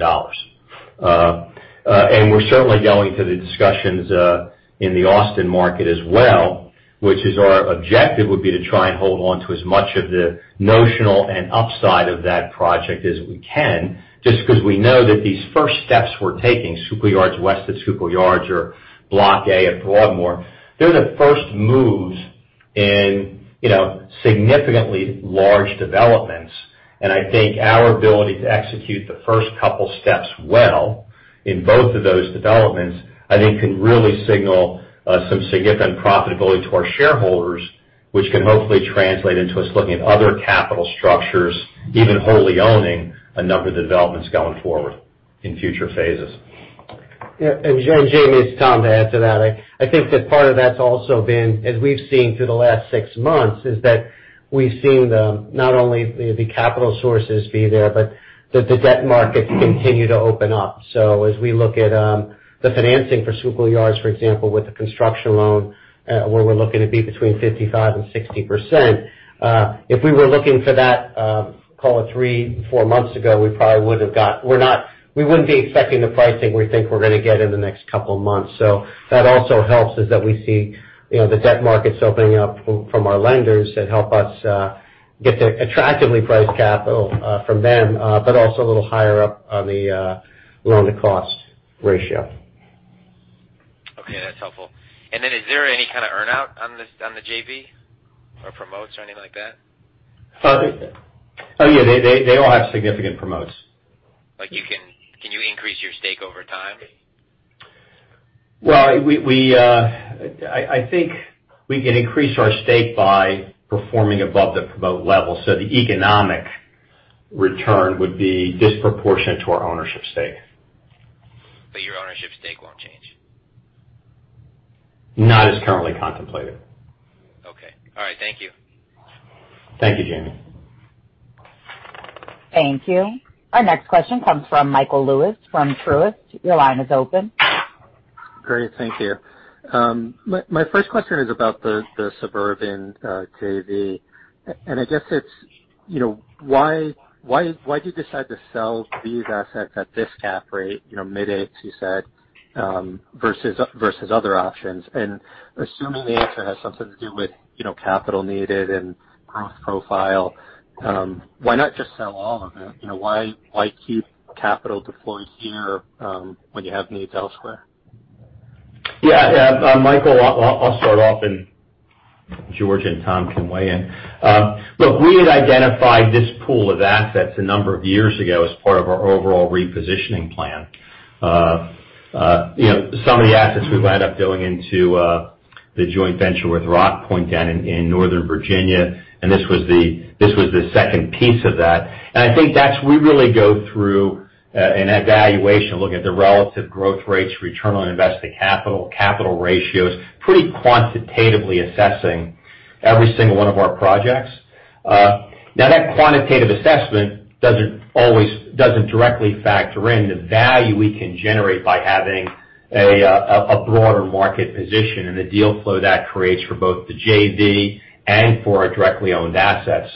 We're certainly going through the discussions in the Austin market as well, which is our objective, would be to try and hold onto as much of the notional and upside of that project as we can, just because we know that these first steps we're taking, Schuylkill Yards West at Schuylkill Yards or Block A at Broadmoor, they're the first moves in significantly large developments. I think our ability to execute the first couple steps well in both of those developments, I think, can really signal some significant profitability to our shareholders, which can hopefully translate into us looking at other capital structures, even wholly owning a number of developments going forward in future phases. Yeah. Jamie, it's Tom, to add to that. I think that part of that's also been, as we've seen through the last six months, is that we've seen not only the capital sources be there, but that the debt markets continue to open up. As we look at the financing for Schuylkill Yards, for example, with the construction loan, where we're looking to be between 55%-60%. If we were looking for that, call it three, four months ago, we wouldn't be expecting the pricing we think we're going to get in the next couple of months. That also helps us, that we see the debt markets opening up from our lenders that help us get the attractively priced capital from them, but also a little higher up on the loan-to-cost ratio. Okay. That's helpful. Is there any kind of earn-out on the JV or promotes or anything like that? Yeah. They all have significant promotes. Can you increase your stake over time? Well, I think we can increase our stake by performing above the promote level. The economic return would be disproportionate to our ownership stake. Your ownership stake won't change. Not as currently contemplated. Okay. All right. Thank you. Thank you, Jamie. Thank you. Our next question comes from Michael Lewis from Truist. Your line is open. Great. Thank you. My first question is about the suburban JV. I guess it's why did you decide to sell these assets at this cap rate, mid eights, you said, versus other options? Assuming the answer has something to do with capital needed and cost profile, why not just sell all of it? Why keep capital deployed here, when you have needs elsewhere? Yeah, Michael, I'll start off, and George and Tom can weigh in. Look, we had identified this pool of assets a number of years ago as part of our overall repositioning plan. Some of the assets we wound up going into the joint venture with Rockpoint down in Northern Virginia, and this was the second piece of that. I think that as we really go through an evaluation, looking at the relative growth rates, return on invested capital ratios, pretty quantitatively assessing every single one of our projects. Now, that quantitative assessment doesn't directly factor in the value we can generate by having a broader market position and the deal flow that creates for both the JV and for our directly owned assets.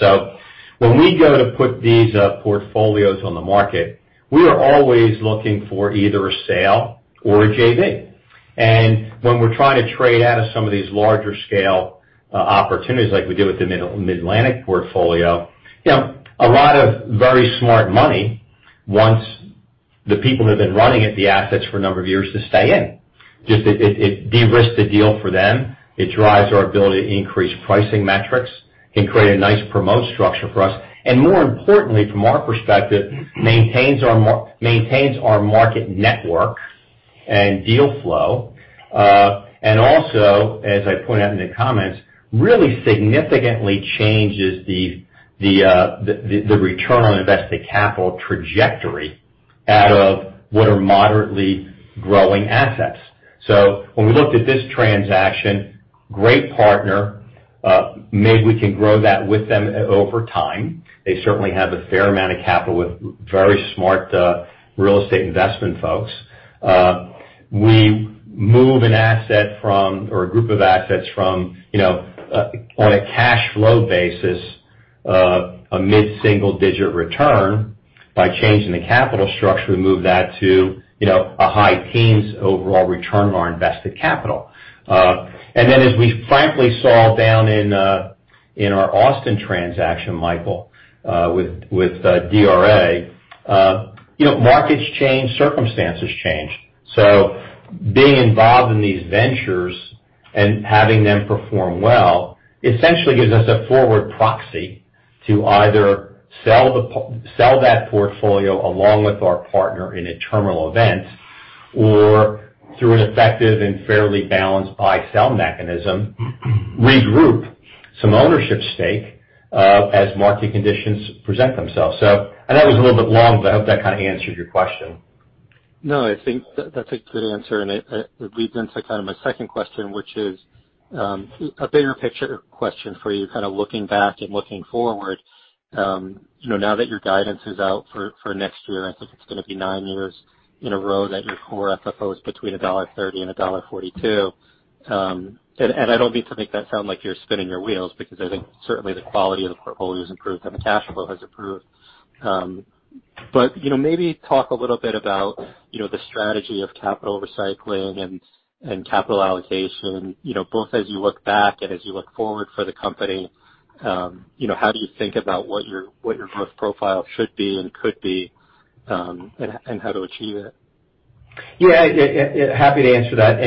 When we go to put these portfolios on the market, we are always looking for either a sale or a JV. When we're trying to trade out of some of these larger scale opportunities, like we did with the Mid-Atlantic portfolio, a lot of very smart money wants the people who have been running the assets for a number of years to stay in. Just it de-risks the deal for them. It drives our ability to increase pricing metrics, can create a nice promote structure for us. More importantly, from our perspective, maintains our market network and deal flow. Also, as I pointed out in the comments, really significantly changes the return on invested capital trajectory out of what are moderately growing assets. When we looked at this transaction, great partner, maybe we can grow that with them over time. They certainly have a fair amount of capital with very smart real estate investment folks. We move an asset from, or a group of assets from, on a cash flow basis, a mid-single digit return. By changing the capital structure, we move that to a high teens overall return on our invested capital. As we frankly saw down in our Austin transaction, Michael, with DRA, markets change, circumstances change. Being involved in these ventures and having them perform well essentially gives us a forward proxy to either sell that portfolio along with our partner in a terminal event or through an effective and fairly balanced buy-sell mechanism, regroup some ownership stake as market conditions present themselves. I know it was a little bit long, but I hope that kind of answered your question. I think that's a good answer. It leads into kind of my second question, which is a bigger picture question for you kind of looking back and looking forward. Now that your guidance is out for next year, I think it's going to be nine years in a row that your core FFO is between $1.30 and $1.42. I don't mean to make that sound like you're spinning your wheels because I think certainly the quality of the portfolio's improved and the cash flow has improved. Maybe talk a little bit about the strategy of capital recycling and capital allocation, both as you look back and as you look forward for the company. How do you think about what your growth profile should be and could be, how to achieve it? Yeah. Happy to answer that.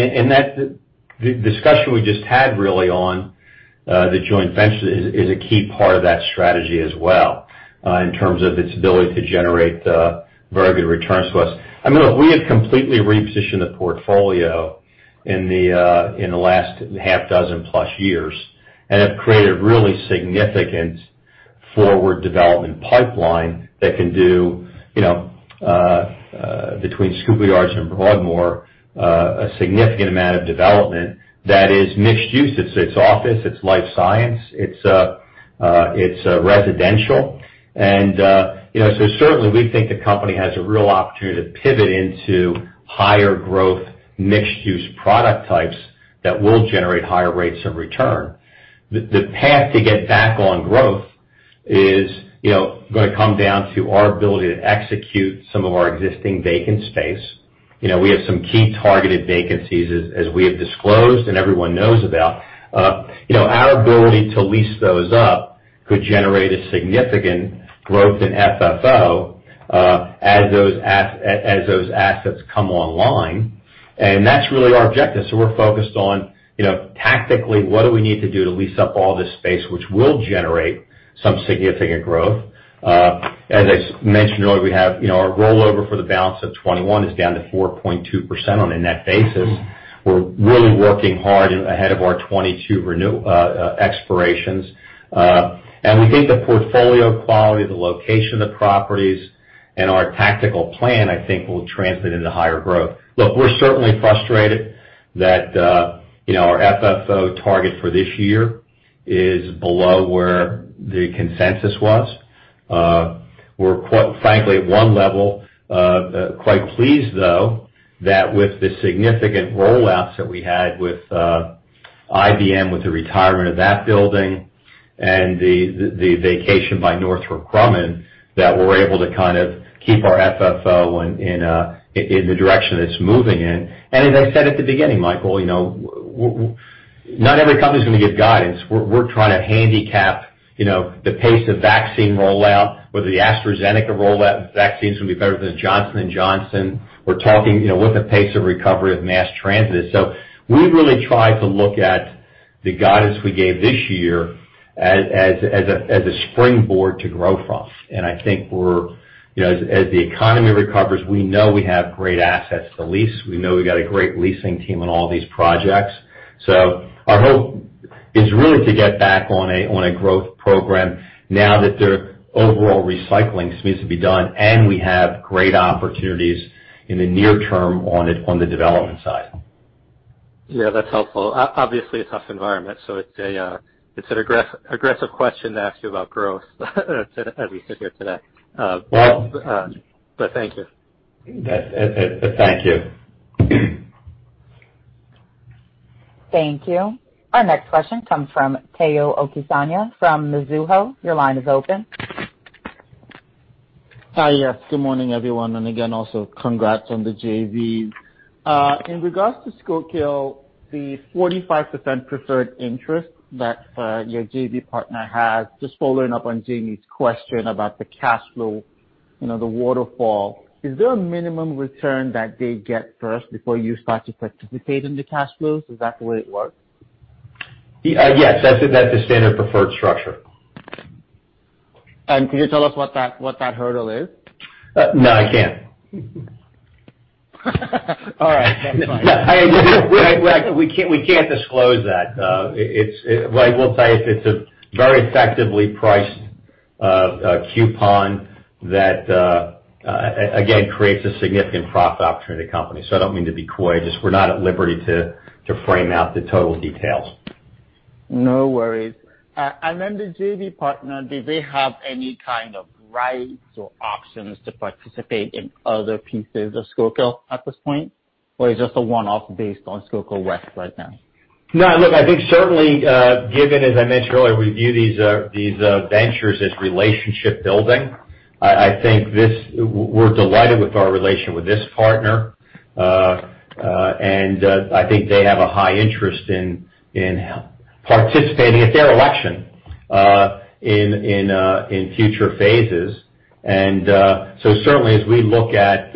The discussion we just had really on the joint venture is a key part of that strategy as well in terms of its ability to generate very good returns to us. I mean, look, we have completely repositioned the portfolio in the last 6+ years and have created really significant forward development pipeline that can do, between Schuylkill Yards and Broadmoor, a significant amount of development that is mixed use. It's office, it's life science, it's residential. Certainly we think the company has a real opportunity to pivot into higher growth, mixed use product types that will generate higher rates of return. The path to get back on growth is going to come down to our ability to execute some of our existing vacant space. We have some key targeted vacancies as we have disclosed and everyone knows about. Our ability to lease those up could generate a significant growth in FFO as those assets come online, and that's really our objective. We're focused on tactically what do we need to do to lease up all this space, which will generate some significant growth. As I mentioned earlier, our rollover for the balance of 2021 is down to 4.2% on a net basis. We're really working hard ahead of our 2022 expirations. We think the portfolio quality, the location of the properties, and our tactical plan, I think, will translate into higher growth. Look, we're certainly frustrated that our FFO target for this year is below where the consensus was. We're quite frankly, at one level, quite pleased though that with the significant roll-outs that we had with IBM, with the retirement of that building, and the vacation by Northrop Grumman, that we're able to kind of keep our FFO in the direction it's moving in. As I said at the beginning, Michael, not every company's going to give guidance. We're trying to handicap the pace of vaccine rollout, whether the AstraZeneca rollout vaccines will be better than Johnson & Johnson. We're talking what the pace of recovery of mass transit. We really try to look at the guidance we gave this year as a springboard to grow from. I think as the economy recovers, we know we have great assets to lease. We know we've got a great leasing team on all these projects. Our hope is really to get back on a growth program now that the overall recycling needs to be done, and we have great opportunities in the near term on the development side. Yeah, that's helpful. Obviously, a tough environment. It's an aggressive question to ask you about growth as we sit here today. Well- Thank you. Thank you. Thank you. Our next question comes from Tayo Okusanya from Mizuho. Your line is open. Hi. Yes. Good morning, everyone. Again, also congrats on the JV. In regards to Schuylkill, the 45% preferred interest that your JV partner has, just following up on Jamie's question about the cash flow waterfall, is there a minimum return that they get first before you start to participate in the cash flows? Is that the way it works? Yes. That's the standard preferred structure. Could you tell us what that hurdle is? No, I can't. All right. That's fine. We can't disclose that. What I will say is it's a very effectively priced coupon that, again, creates a significant profit opportunity to company. I don't mean to be coy, just we're not at liberty to frame out the total details. No worries. Then the JV partner, do they have any kind of rights or options to participate in other pieces of Schuylkill at this point? It's just a one-off based on Schuylkill West right now? No, look, I think certainly, given, as I mentioned earlier, we view these ventures as relationship building. We're delighted with our relation with this partner. I think they have a high interest in participating, at their election, in future phases. Certainly as we look at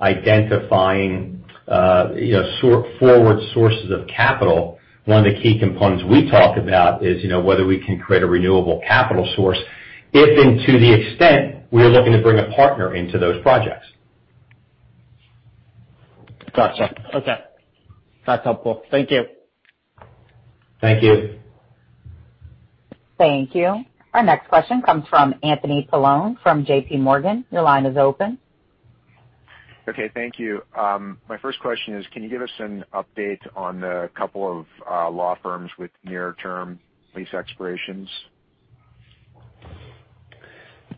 identifying forward sources of capital, one of the key components we talk about is whether we can create a renewable capital source, if and to the extent we are looking to bring a partner into those projects. Got you. Okay. That's helpful. Thank you. Thank you. Thank you. Our next question comes from Anthony Paolone from JPMorgan. Your line is open. Okay. Thank you. My first question is, can you give us an update on the couple of law firms with near-term lease expirations?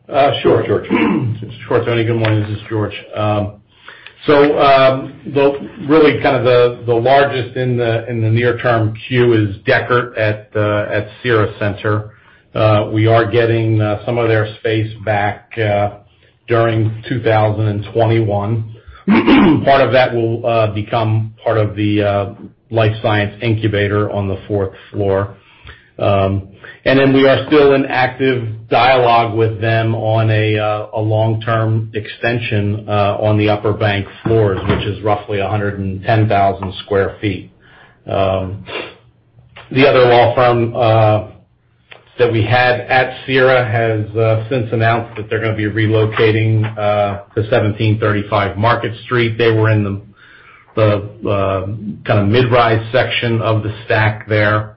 Sure, Tony. Good morning. This is George. Really the largest in the near-term queue is Dechert at Cira Centre. We are getting some of their space back during 2021. Part of that will become part of the life science incubator on the fourth floor. We are still in active dialogue with them on a long-term extension on the upper bank floors, which is roughly 110,000 square feet. The other law firm that we had at Cira has since announced that they're going to be relocating to 1735 Market Street. They were in the mid-rise section of the stack there.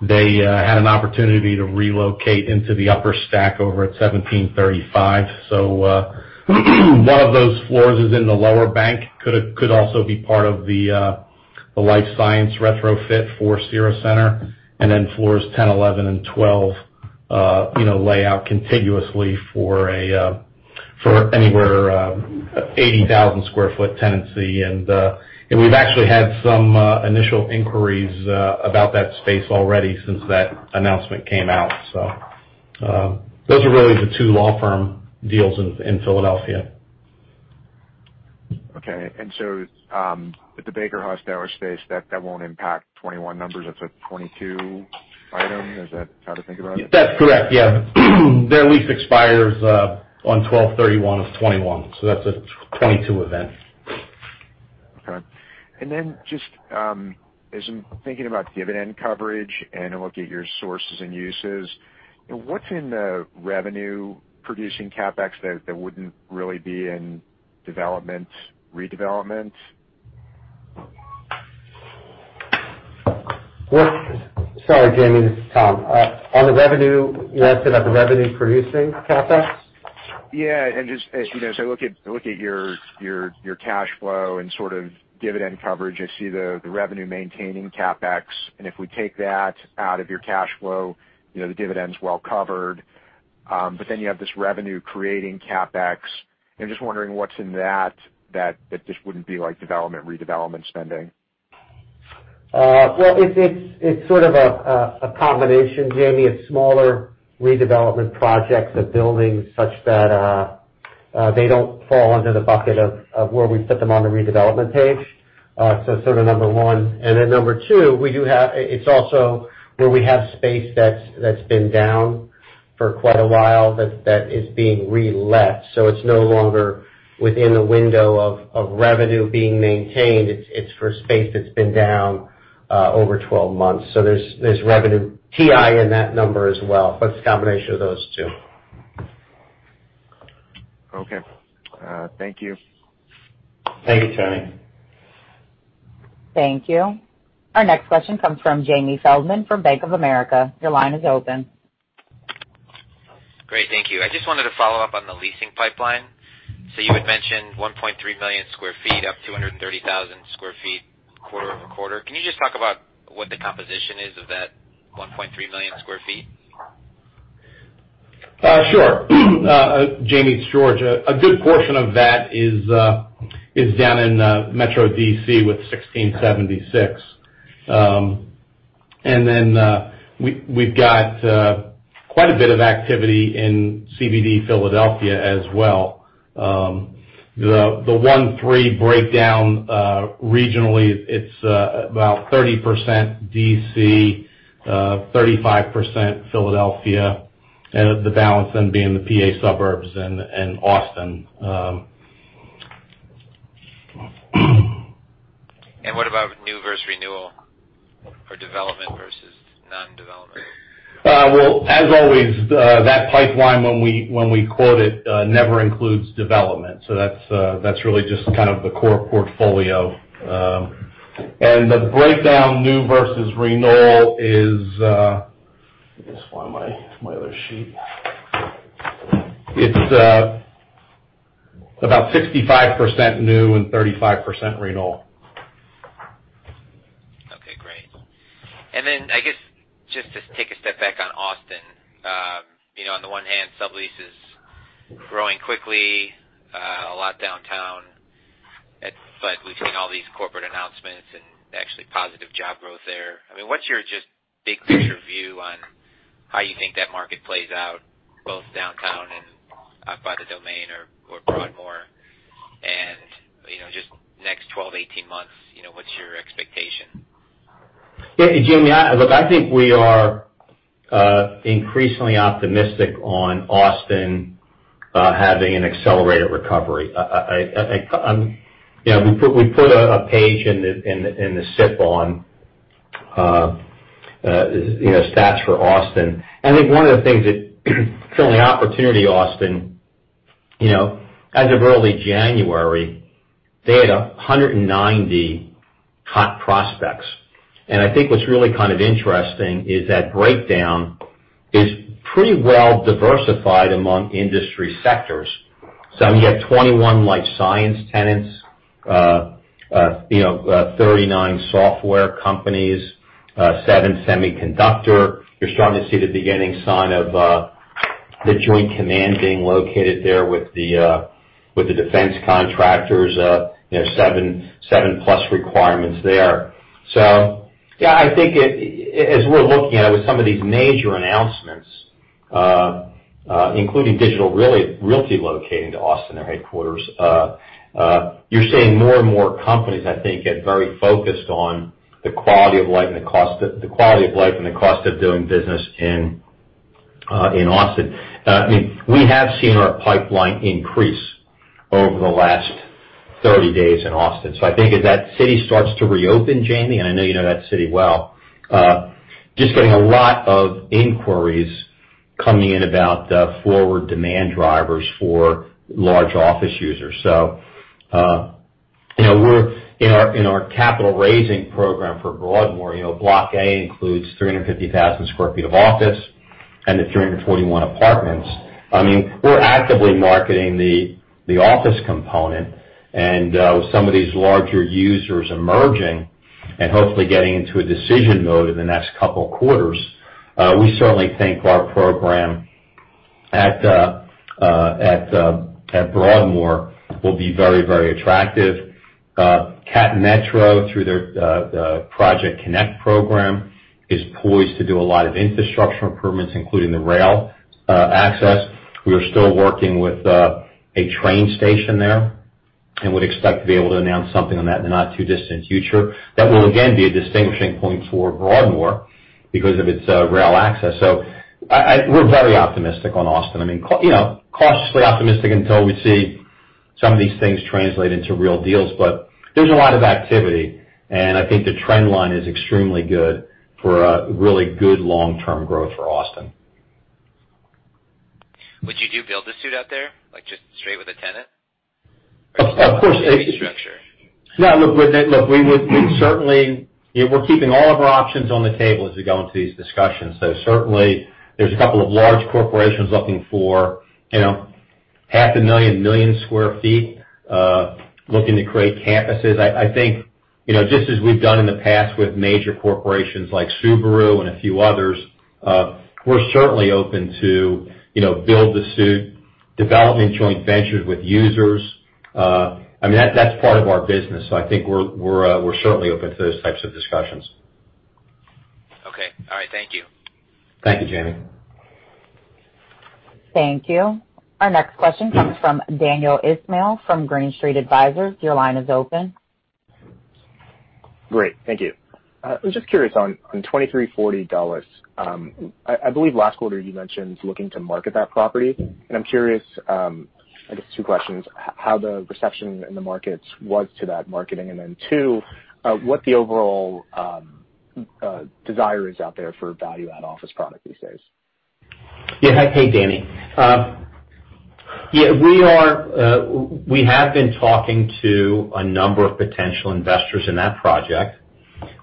They had an opportunity to relocate into the upper stack over at 1735. One of those floors is in the lower bank, could also be part of the life science retrofit for Cira Centre, and then floors 10, 11, and 12 lay out contiguously for anywhere, 80,000 sq ft tenancy. We've actually had some initial inquiries about that space already since that announcement came out. Those are really the two law firm deals in Philadelphia. Okay. At the BakerHostetler space, that won't impact 2021 numbers. That's a 2022 item. Is that how to think about it? That's correct. Yeah. Their lease expires on 12/31/2021, so that's a 2022 event. Okay. Then just as I'm thinking about dividend coverage and looking at your sources and uses, what's in the revenue-producing CapEx that wouldn't really be in development, redevelopment? Sorry, Tony, this is Tom. On the revenue, you asked about the revenue-producing CapEx? As I look at your cash flow and sort of dividend coverage, I see the revenue maintaining CapEx, and if we take that out of your cash flow, the dividend's well covered. You have this revenue-creating CapEx, and just wondering what's in that just wouldn't be like development, redevelopment spending. Well, it's sort of a combination, Tony, of smaller redevelopment projects of buildings such that they don't fall under the bucket of where we put them on the redevelopment page. Sort of number one. Number two, it's also where we have space that's been down for quite a while that is being relet. It's no longer within the window of revenue being maintained. It's for space that's been down over 12 months. There's revenue TI in that number as well. It's a combination of those two. Okay. Thank you. Thank you, Tony. Thank you. Our next question comes from Jamie Feldman from Bank of America. Your line is open. Great. Thank you. I just wanted to follow up on the leasing pipeline. You had mentioned 1.3 million square feet up 230,000 sq ft quarter-over-quarter. Can you just talk about what the composition is of that 1.3 million square feet? Sure. Jamie, it's George. A good portion of that is down in Metro D.C. with 1676. We've got quite a bit of activity in CBD Philadelphia as well. The one-three breakdown regionally, it's about 30% D.C., 35% Philadelphia, and the balance then being the P.A. suburbs and Austin. What about new versus renewal, or development versus non-development? As always, that pipeline, when we quote it, never includes development. That's really just kind of the core portfolio. The breakdown, new versus renewal is. Let me just find my other sheet. It's about 65% new and 35% renewal. Okay, great. I guess, just to take a step back on Austin. On the one hand, sublease is growing quickly, a lot downtown. We've seen all these corporate announcements and actually positive job growth there. What's your just big picture view on how you think that market plays out, both downtown and out by The Domain or Broadmoor? Just next 12, 18 months, what's your expectation? Yeah. Jamie, look, I think we are increasingly optimistic on Austin having an accelerated recovery. We put a page in the SIP on stats for Austin. I think one of the things that certainly opportunity Austin, as of early January, they had 190 hot prospects. I think what's really kind of interesting is that breakdown is pretty well diversified among industry sectors. You have 21 life science tenants, 39 software companies, seven semiconductor. You're starting to see the beginning sign of the joint command being located there with the defense contractors, seven-plus requirements there. Yeah, I think as we're looking at it, with some of these major announcements, including Digital Realty locating to Austin, their headquarters, you're seeing more and more companies, I think, get very focused on the quality of life and the cost of doing business in Austin. We have seen our pipeline increase over the last 30 days in Austin. I think as that city starts to reopen, Jamie, and I know you know that city well, just getting a lot of inquiries coming in about forward demand drivers for large office users. In our capital raising program for Broadmoor, Block A includes 350,000 sq ft of office and then 341 apartments. We're actively marketing the office component. With some of these larger users emerging, and hopefully getting into a decision mode in the next couple of quarters, we certainly think our program at Broadmoor will be very, very attractive. CapMetro, through their Project Connect program, is poised to do a lot of infrastructure improvements, including the rail access. We are still working with a train station there and would expect to be able to announce something on that in the not-too-distant future. That will again be a distinguishing point for Broadmoor because of its rail access. We're very optimistic on Austin. Cautiously optimistic until we see some of these things translate into real deals. There's a lot of activity, and I think the trend line is extremely good for a really good long-term growth for Austin. Would you do build-to-suit out there, like just straight with a tenant? Of course. Leasing structure. No. Look, we're keeping all of our options on the table as we go into these discussions. Certainly, there's a couple of large corporations looking for 500,000 sq ft, 1 million sq ft, looking to create campuses. I think, just as we've done in the past with major corporations like Subaru and a few others, we're certainly open to build-to-suit, development joint ventures with users. That's part of our business. I think we're certainly open to those types of discussions. Okay. All right. Thank you. Thank you, Jamie. Thank you. Our next question comes from Daniel Ismail from Green Street Advisors. Your line is open. Great. Thank you. I was just curious on 2340 Dulles. I believe last quarter you mentioned looking to market that property. I'm curious, I guess two questions, how the reception in the markets was to that marketing, and then two, what the overall desire is out there for value-add office product these days? Yeah. Hey, Danny. We have been talking to a number of potential investors in that project.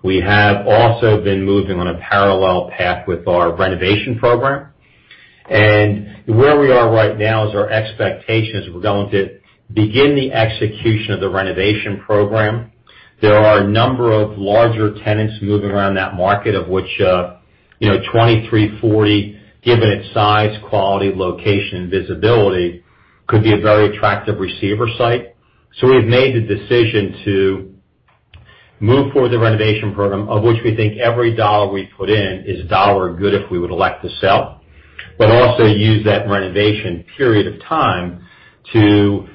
We have also been moving on a parallel path with our renovation program. Where we are right now is our expectation is we're going to begin the execution of the renovation program. There are a number of larger tenants moving around that market, of which 2340, given its size, quality, location, and visibility, could be a very attractive receiver site. We've made the decision to move forward the renovation program, of which we think every dollar we put in is a dollar good if we would elect to sell. Also use that renovation period of time to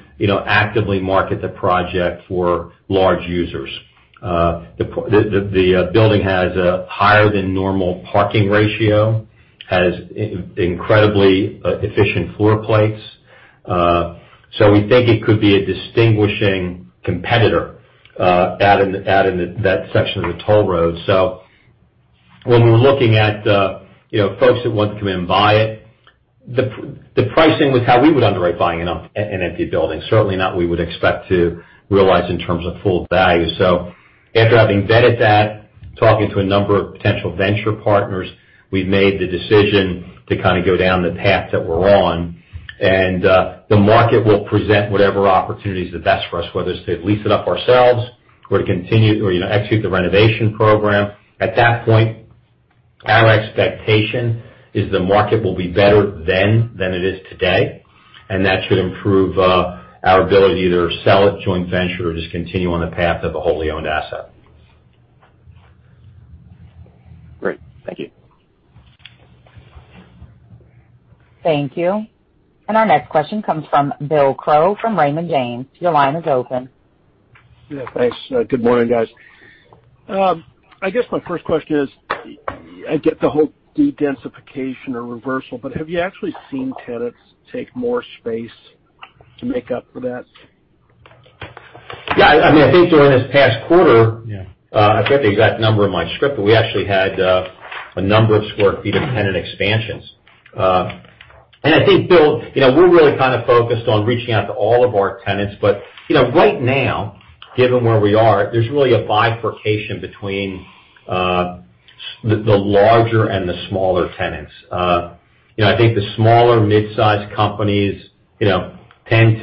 actively market the project for large users. The building has a higher than normal parking ratio, has incredibly efficient floor plates. We think it could be a distinguishing competitor out in that section of the toll road. When we're looking at folks that want to come in and buy it, the pricing was how we would underwrite buying an empty building. Certainly not we would expect to realize in terms of full value. After having vetted that, talking to a number of potential venture partners, we've made the decision to kind of go down the path that we're on. The market will present whatever opportunity is the best for us, whether it's to lease it up ourselves or to execute the renovation program. At that point, our expectation is the market will be better then than it is today, and that should improve our ability to either sell it, joint venture, or just continue on the path of a wholly owned asset. Great. Thank you. Thank you. Our next question comes from Bill Crow from Raymond James. Your line is open. Yeah, thanks. Good morning, guys. I guess my first question is, I get the whole de-densification or reversal, but have you actually seen tenants take more space to make up for that? Yeah. I think during this past quarter. Yeah I forget the exact number in my script, but we actually had a number of square feet of tenant expansions. I think, Bill, we're really kind of focused on reaching out to all of our tenants. Right now, given where we are, there's really a bifurcation between the larger and the smaller tenants. I think the smaller mid-size companies, 10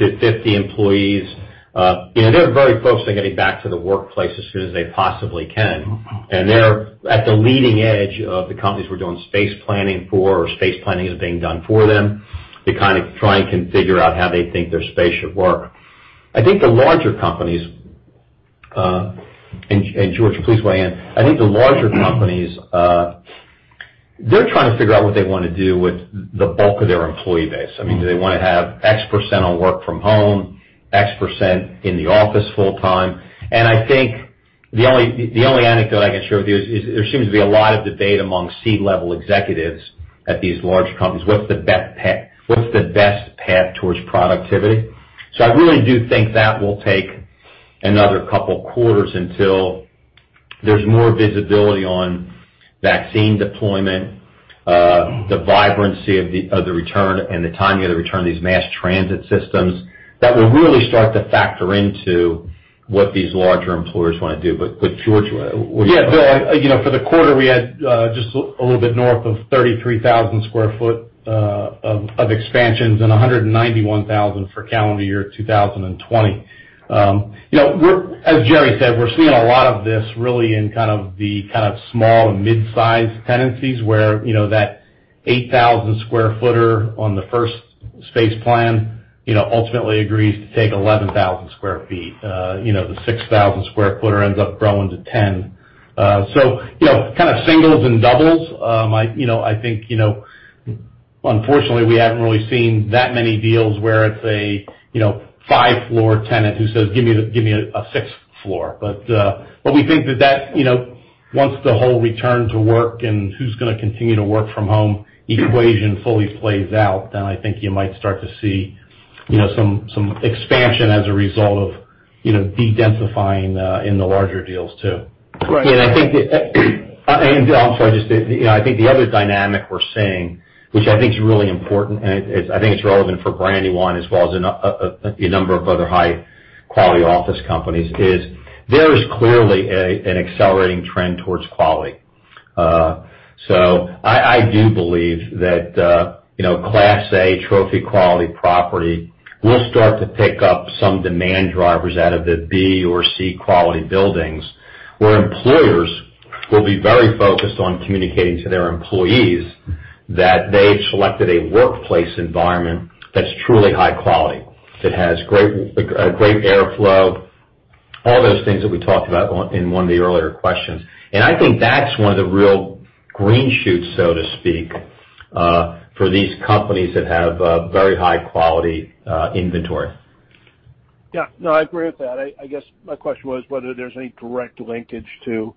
to 50 employees, they're very focused on getting back to the workplace as soon as they possibly can. They're at the leading edge of the companies we're doing space planning for, or space planning is being done for them to kind of try and configure out how they think their space should work. I think the larger companies, and George, please weigh in. I think the larger companies, they're trying to figure out what they want to do with the bulk of their employee base. Do they want to have X% on work from home, X% in the office full time? I think the only anecdote I can share with you is there seems to be a lot of debate among C-level executives at these large companies. What's the best path towards productivity? I really do think that will take another couple of quarters until there's more visibility on vaccine deployment, the vibrancy of the return, and the timing of the return of these mass transit systems. That will really start to factor into what these larger employers want to do. George, what do you think? Yeah. For the quarter, we had just a little bit north of 33,000 sq ft of expansions and 191,000 for calendar year 2020. As Jerry said, we're seeing a lot of this really in kind of the small and mid-size tenancies where that 8,000 sq ft on the first space plan ultimately agrees to take 11,000 sq ft. The 6,000 sq ft ends up growing to 10,000 sq ft. Kind of singles and doubles. I think unfortunately, we haven't really seen that many deals where it's a five-floor tenant who says, "Give me a sixth floor." We think that once the whole return to work and who's going to continue to work from home equation fully plays out, then I think you might start to see some expansion as a result of de-densifying in the larger deals too. Right. I think the other dynamic we're seeing, which I think is really important, and I think it's relevant for Brandywine as well as a number of other high-quality office companies, is there is clearly an accelerating trend towards quality. I do believe that class A trophy quality property will start to pick up some demand drivers out of the B or C quality buildings, where employers will be very focused on communicating to their employees that they've selected a workplace environment that's truly high quality, that has great airflow, all those things that we talked about in one of the earlier questions. I think that's one of the real green shoots, so to speak, for these companies that have very high-quality inventory. Yeah. No, I agree with that. I guess my question was whether there's any direct linkage to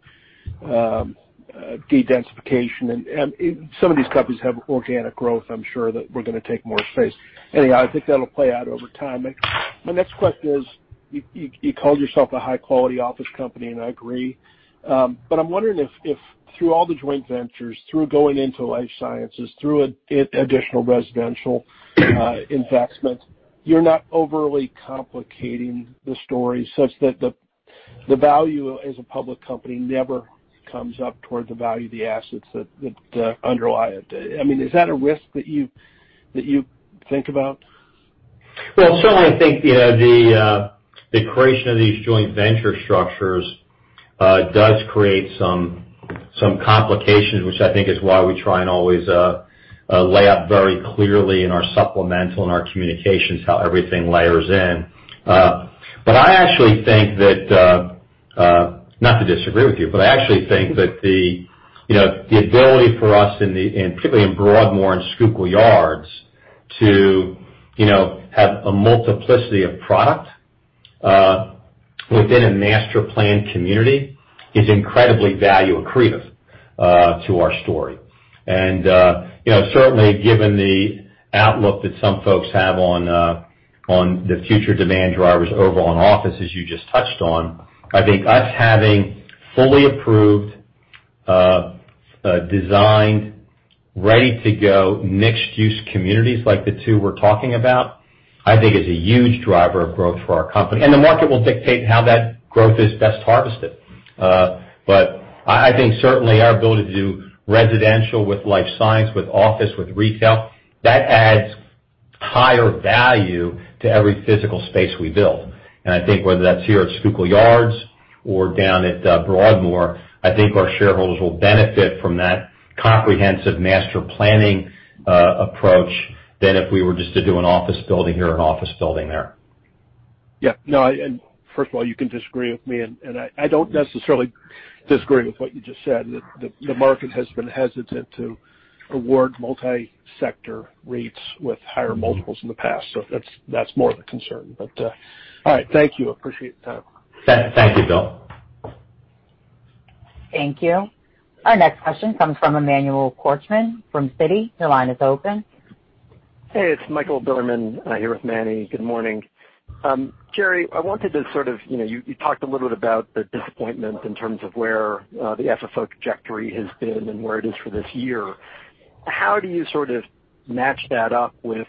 de-densification. Some of these companies have organic growth, I'm sure that we're going to take more space. Anyway, I think that'll play out over time. My next question is, you called yourself a high-quality office company, and I agree. I'm wondering if through all the joint ventures, through going into life sciences, through additional residential investment, you're not overly complicating the story such that the value as a public company never comes up toward the value of the assets that underlie it. Is that a risk that you think about? Well, certainly, I think the creation of these joint venture structures does create some complications, which I think is why we try and always lay out very clearly in our supplemental and our communications how everything layers in. I actually think that, not to disagree with you, but I actually think that the ability for us, particularly in Broadmoor and Schuylkill Yards, to have a multiplicity of product within a master planned community is incredibly value accretive to our story. Certainly given the outlook that some folks have on the future demand drivers overall on office, as you just touched on, I think us having fully approved, designed, ready to go mixed-use communities like the two we're talking about, I think is a huge driver of growth for our company. The market will dictate how that growth is best harvested. I think certainly our ability to do residential with life science, with office, with retail, that adds higher value to every physical space we build. I think whether that's here at Schuylkill Yards or down at Broadmoor, I think our shareholders will benefit from that comprehensive master planning approach than if we were just to do an office building here, an office building there. Yeah. No, first of all, you can disagree with me, and I don't necessarily disagree with what you just said. The market has been hesitant to award multi-sector REITs with higher multiples in the past. That's more of the concern. All right. Thank you. Appreciate the time. Thank you, Bill. Thank you. Our next question comes from Emmanuel Korchman from Citi. Your line is open. Hey, it's Michael Bilerman. I'm here with Manny. Good morning. Jerry, you talked a little bit about the disappointment in terms of where the FFO trajectory has been and where it is for this year. How do you sort of match that up with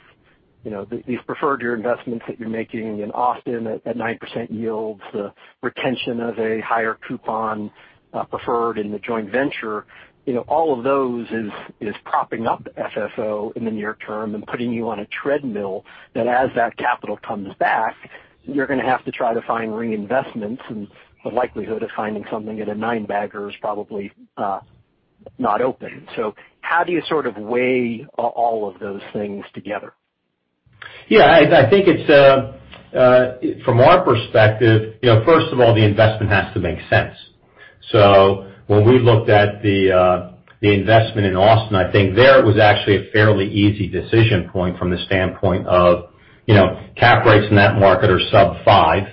these preferred year investments that you're making in Austin at 9% yields, the retention of a higher coupon preferred in the joint venture? All of those is propping up FFO in the near term and putting you on a treadmill that as that capital comes back, you're going to have to try to find reinvestments, and the likelihood of finding something at a nine-bagger is probably not open. How do you sort of weigh all of those things together? Yeah. From our perspective, first of all, the investment has to make sense. When we looked at the investment in Austin, I think there it was actually a fairly easy decision point from the standpoint of cap rates in that market are sub five.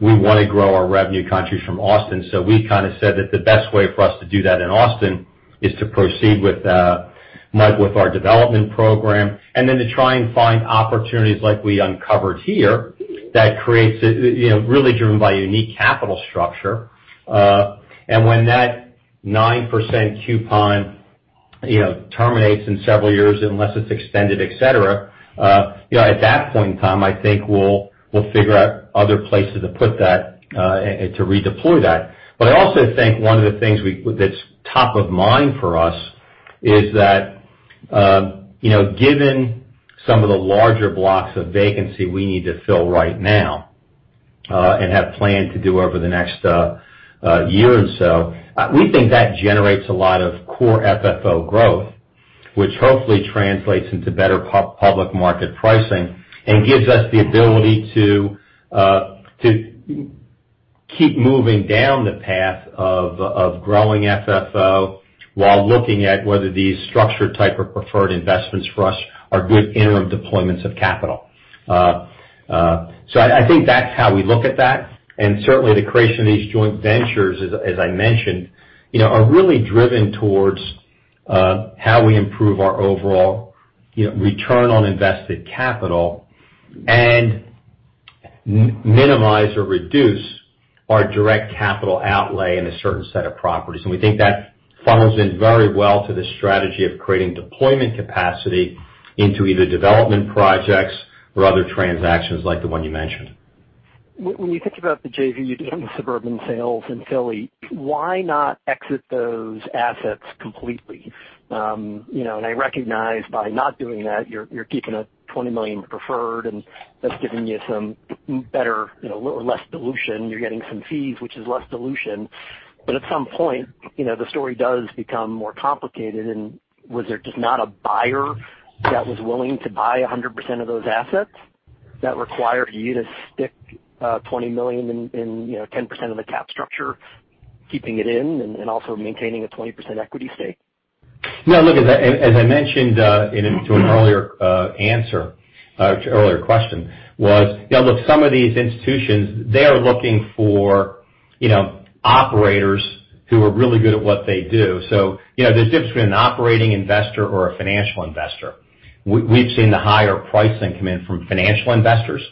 We want to grow our revenue contris from Austin. We kind of said that the best way for us to do that in Austin is to proceed with our development program and then to try and find opportunities like we uncovered here that really driven by unique capital structure. When that 9% coupon terminates in several years, unless it's extended, et cetera, at that point in time, I think we'll figure out other places to put that and to redeploy that. I also think one of the things that's top of mind for us is that given some of the larger blocks of vacancy we need to fill right now and have planned to do over the next year and so, we think that generates a lot of core FFO growth, which hopefully translates into better public market pricing and gives us the ability to keep moving down the path of growing FFO while looking at whether these structured type of preferred investments for us are good interim deployments of capital. I think that's how we look at that. Certainly the creation of these joint ventures, as I mentioned, are really driven towards how we improve our overall return on invested capital and minimize or reduce our direct capital outlay in a certain set of properties. We think that funnels in very well to the strategy of creating deployment capacity into either development projects or other transactions like the one you mentioned. When you think about the JV you did on the suburban sales in Philly, why not exit those assets completely? I recognize by not doing that, you're keeping a $20 million preferred, and that's giving you some better, less dilution. You're getting some fees, which is less dilution. At some point, the story does become more complicated. Was there just not a buyer that was willing to buy 100% of those assets that required you to stick $20 million in 10% of the cap structure, keeping it in and also maintaining a 20% equity stake? As I mentioned to an earlier question, some of these institutions, they are looking for operators who are really good at what they do. There's a difference between an operating investor or a financial investor. We've seen the higher pricing come in from financial investors,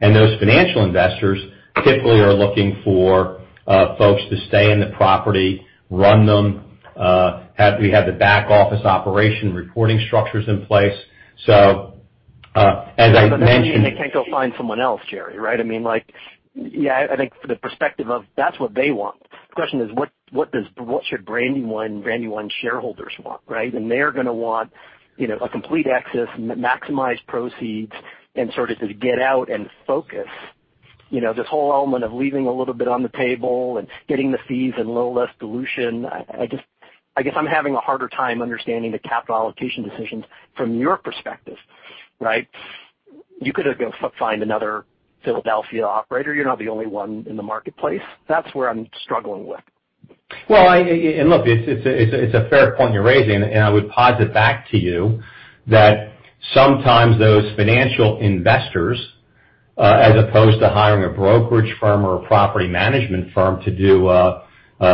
and those financial investors typically are looking for folks to stay in the property, run them, have the back office operation reporting structures in place. That doesn't mean they can't go find someone else, Jerry, right? I think from the perspective of that's what they want. The question is, what should Brandywine shareholders want, right? They're going to want a complete access, maximized proceeds, and sort of just get out and focus. This whole element of leaving a little bit on the table and getting the fees and a little less dilution. I guess I'm having a harder time understanding the capital allocation decisions from your perspective. Right? You could go find another Philadelphia operator. You're not the only one in the marketplace. That's where I'm struggling with. Well, look, it's a fair point you're raising, and I would posit back to you that sometimes those financial investors, as opposed to hiring a brokerage firm or a property management firm to do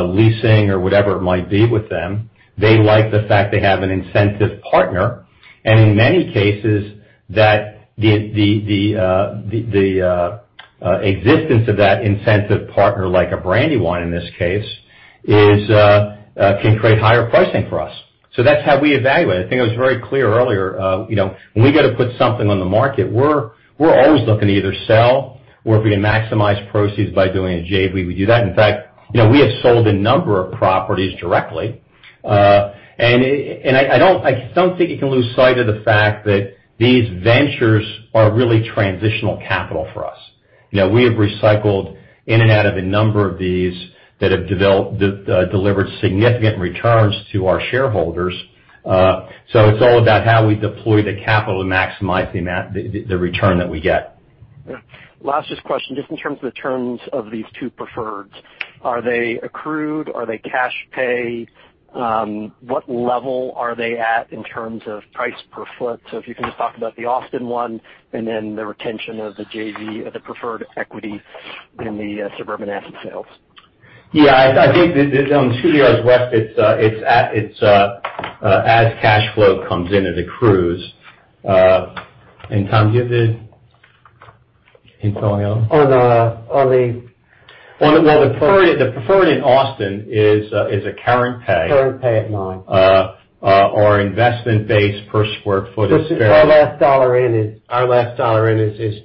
leasing or whatever it might be with them, they like the fact they have an incentive partner, and in many cases, the existence of that incentive partner, like a Brandywine in this case, can create higher pricing for us. That's how we evaluate. I think it was very clear earlier, when we go to put something on the market, we're always looking to either sell or if we can maximize proceeds by doing a JV, we do that. In fact, we have sold a number of properties directly. I don't think you can lose sight of the fact that these ventures are really transitional capital for us. We have recycled in and out of a number of these that have delivered significant returns to our shareholders. It's all about how we deploy the capital to maximize the return that we get. Yeah. Last just question, just in terms of the terms of these two preferreds. Are they accrued? Are they cash pay? What level are they at in terms of price per foot? If you can just talk about the Austin one and then the retention of the JV, the preferred equity in the suburban asset sales. Yeah. I think on the Schuylkill Yards West it's as cash flow comes in as accrues. Tom, do you have the info on- On the- The preferred in Austin is a current pay. Current pay at $9. Our investment base per square foot is very- Our last dollar in is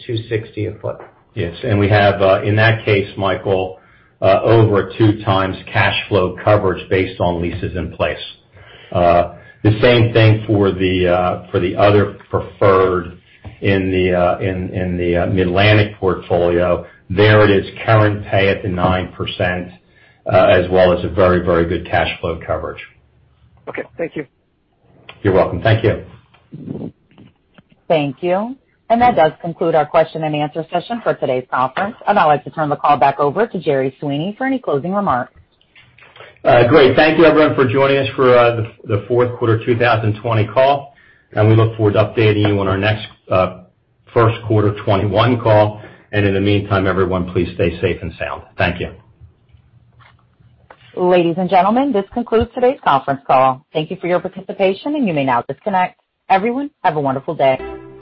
$260 a foot. Yes. We have, in that case, Michael, over 2x cash flow coverage based on leases in place. The same thing for the other preferred in the mid-Atlantic portfolio. There it is current pay at the 9%, as well as a very good cash flow coverage. Okay. Thank you. You're welcome. Thank you. Thank you. That does conclude our question and answer session for today's conference, and I'd like to turn the call back over to Jerry Sweeney for any closing remarks. Great. Thank you, everyone, for joining us for the fourth quarter 2020 call. We look forward to updating you on our next first quarter 2021 call. In the meantime, everyone, please stay safe and sound. Thank you. Ladies and gentlemen, this concludes today's conference call. Thank you for your participation, and you may now disconnect. Everyone, have a wonderful day.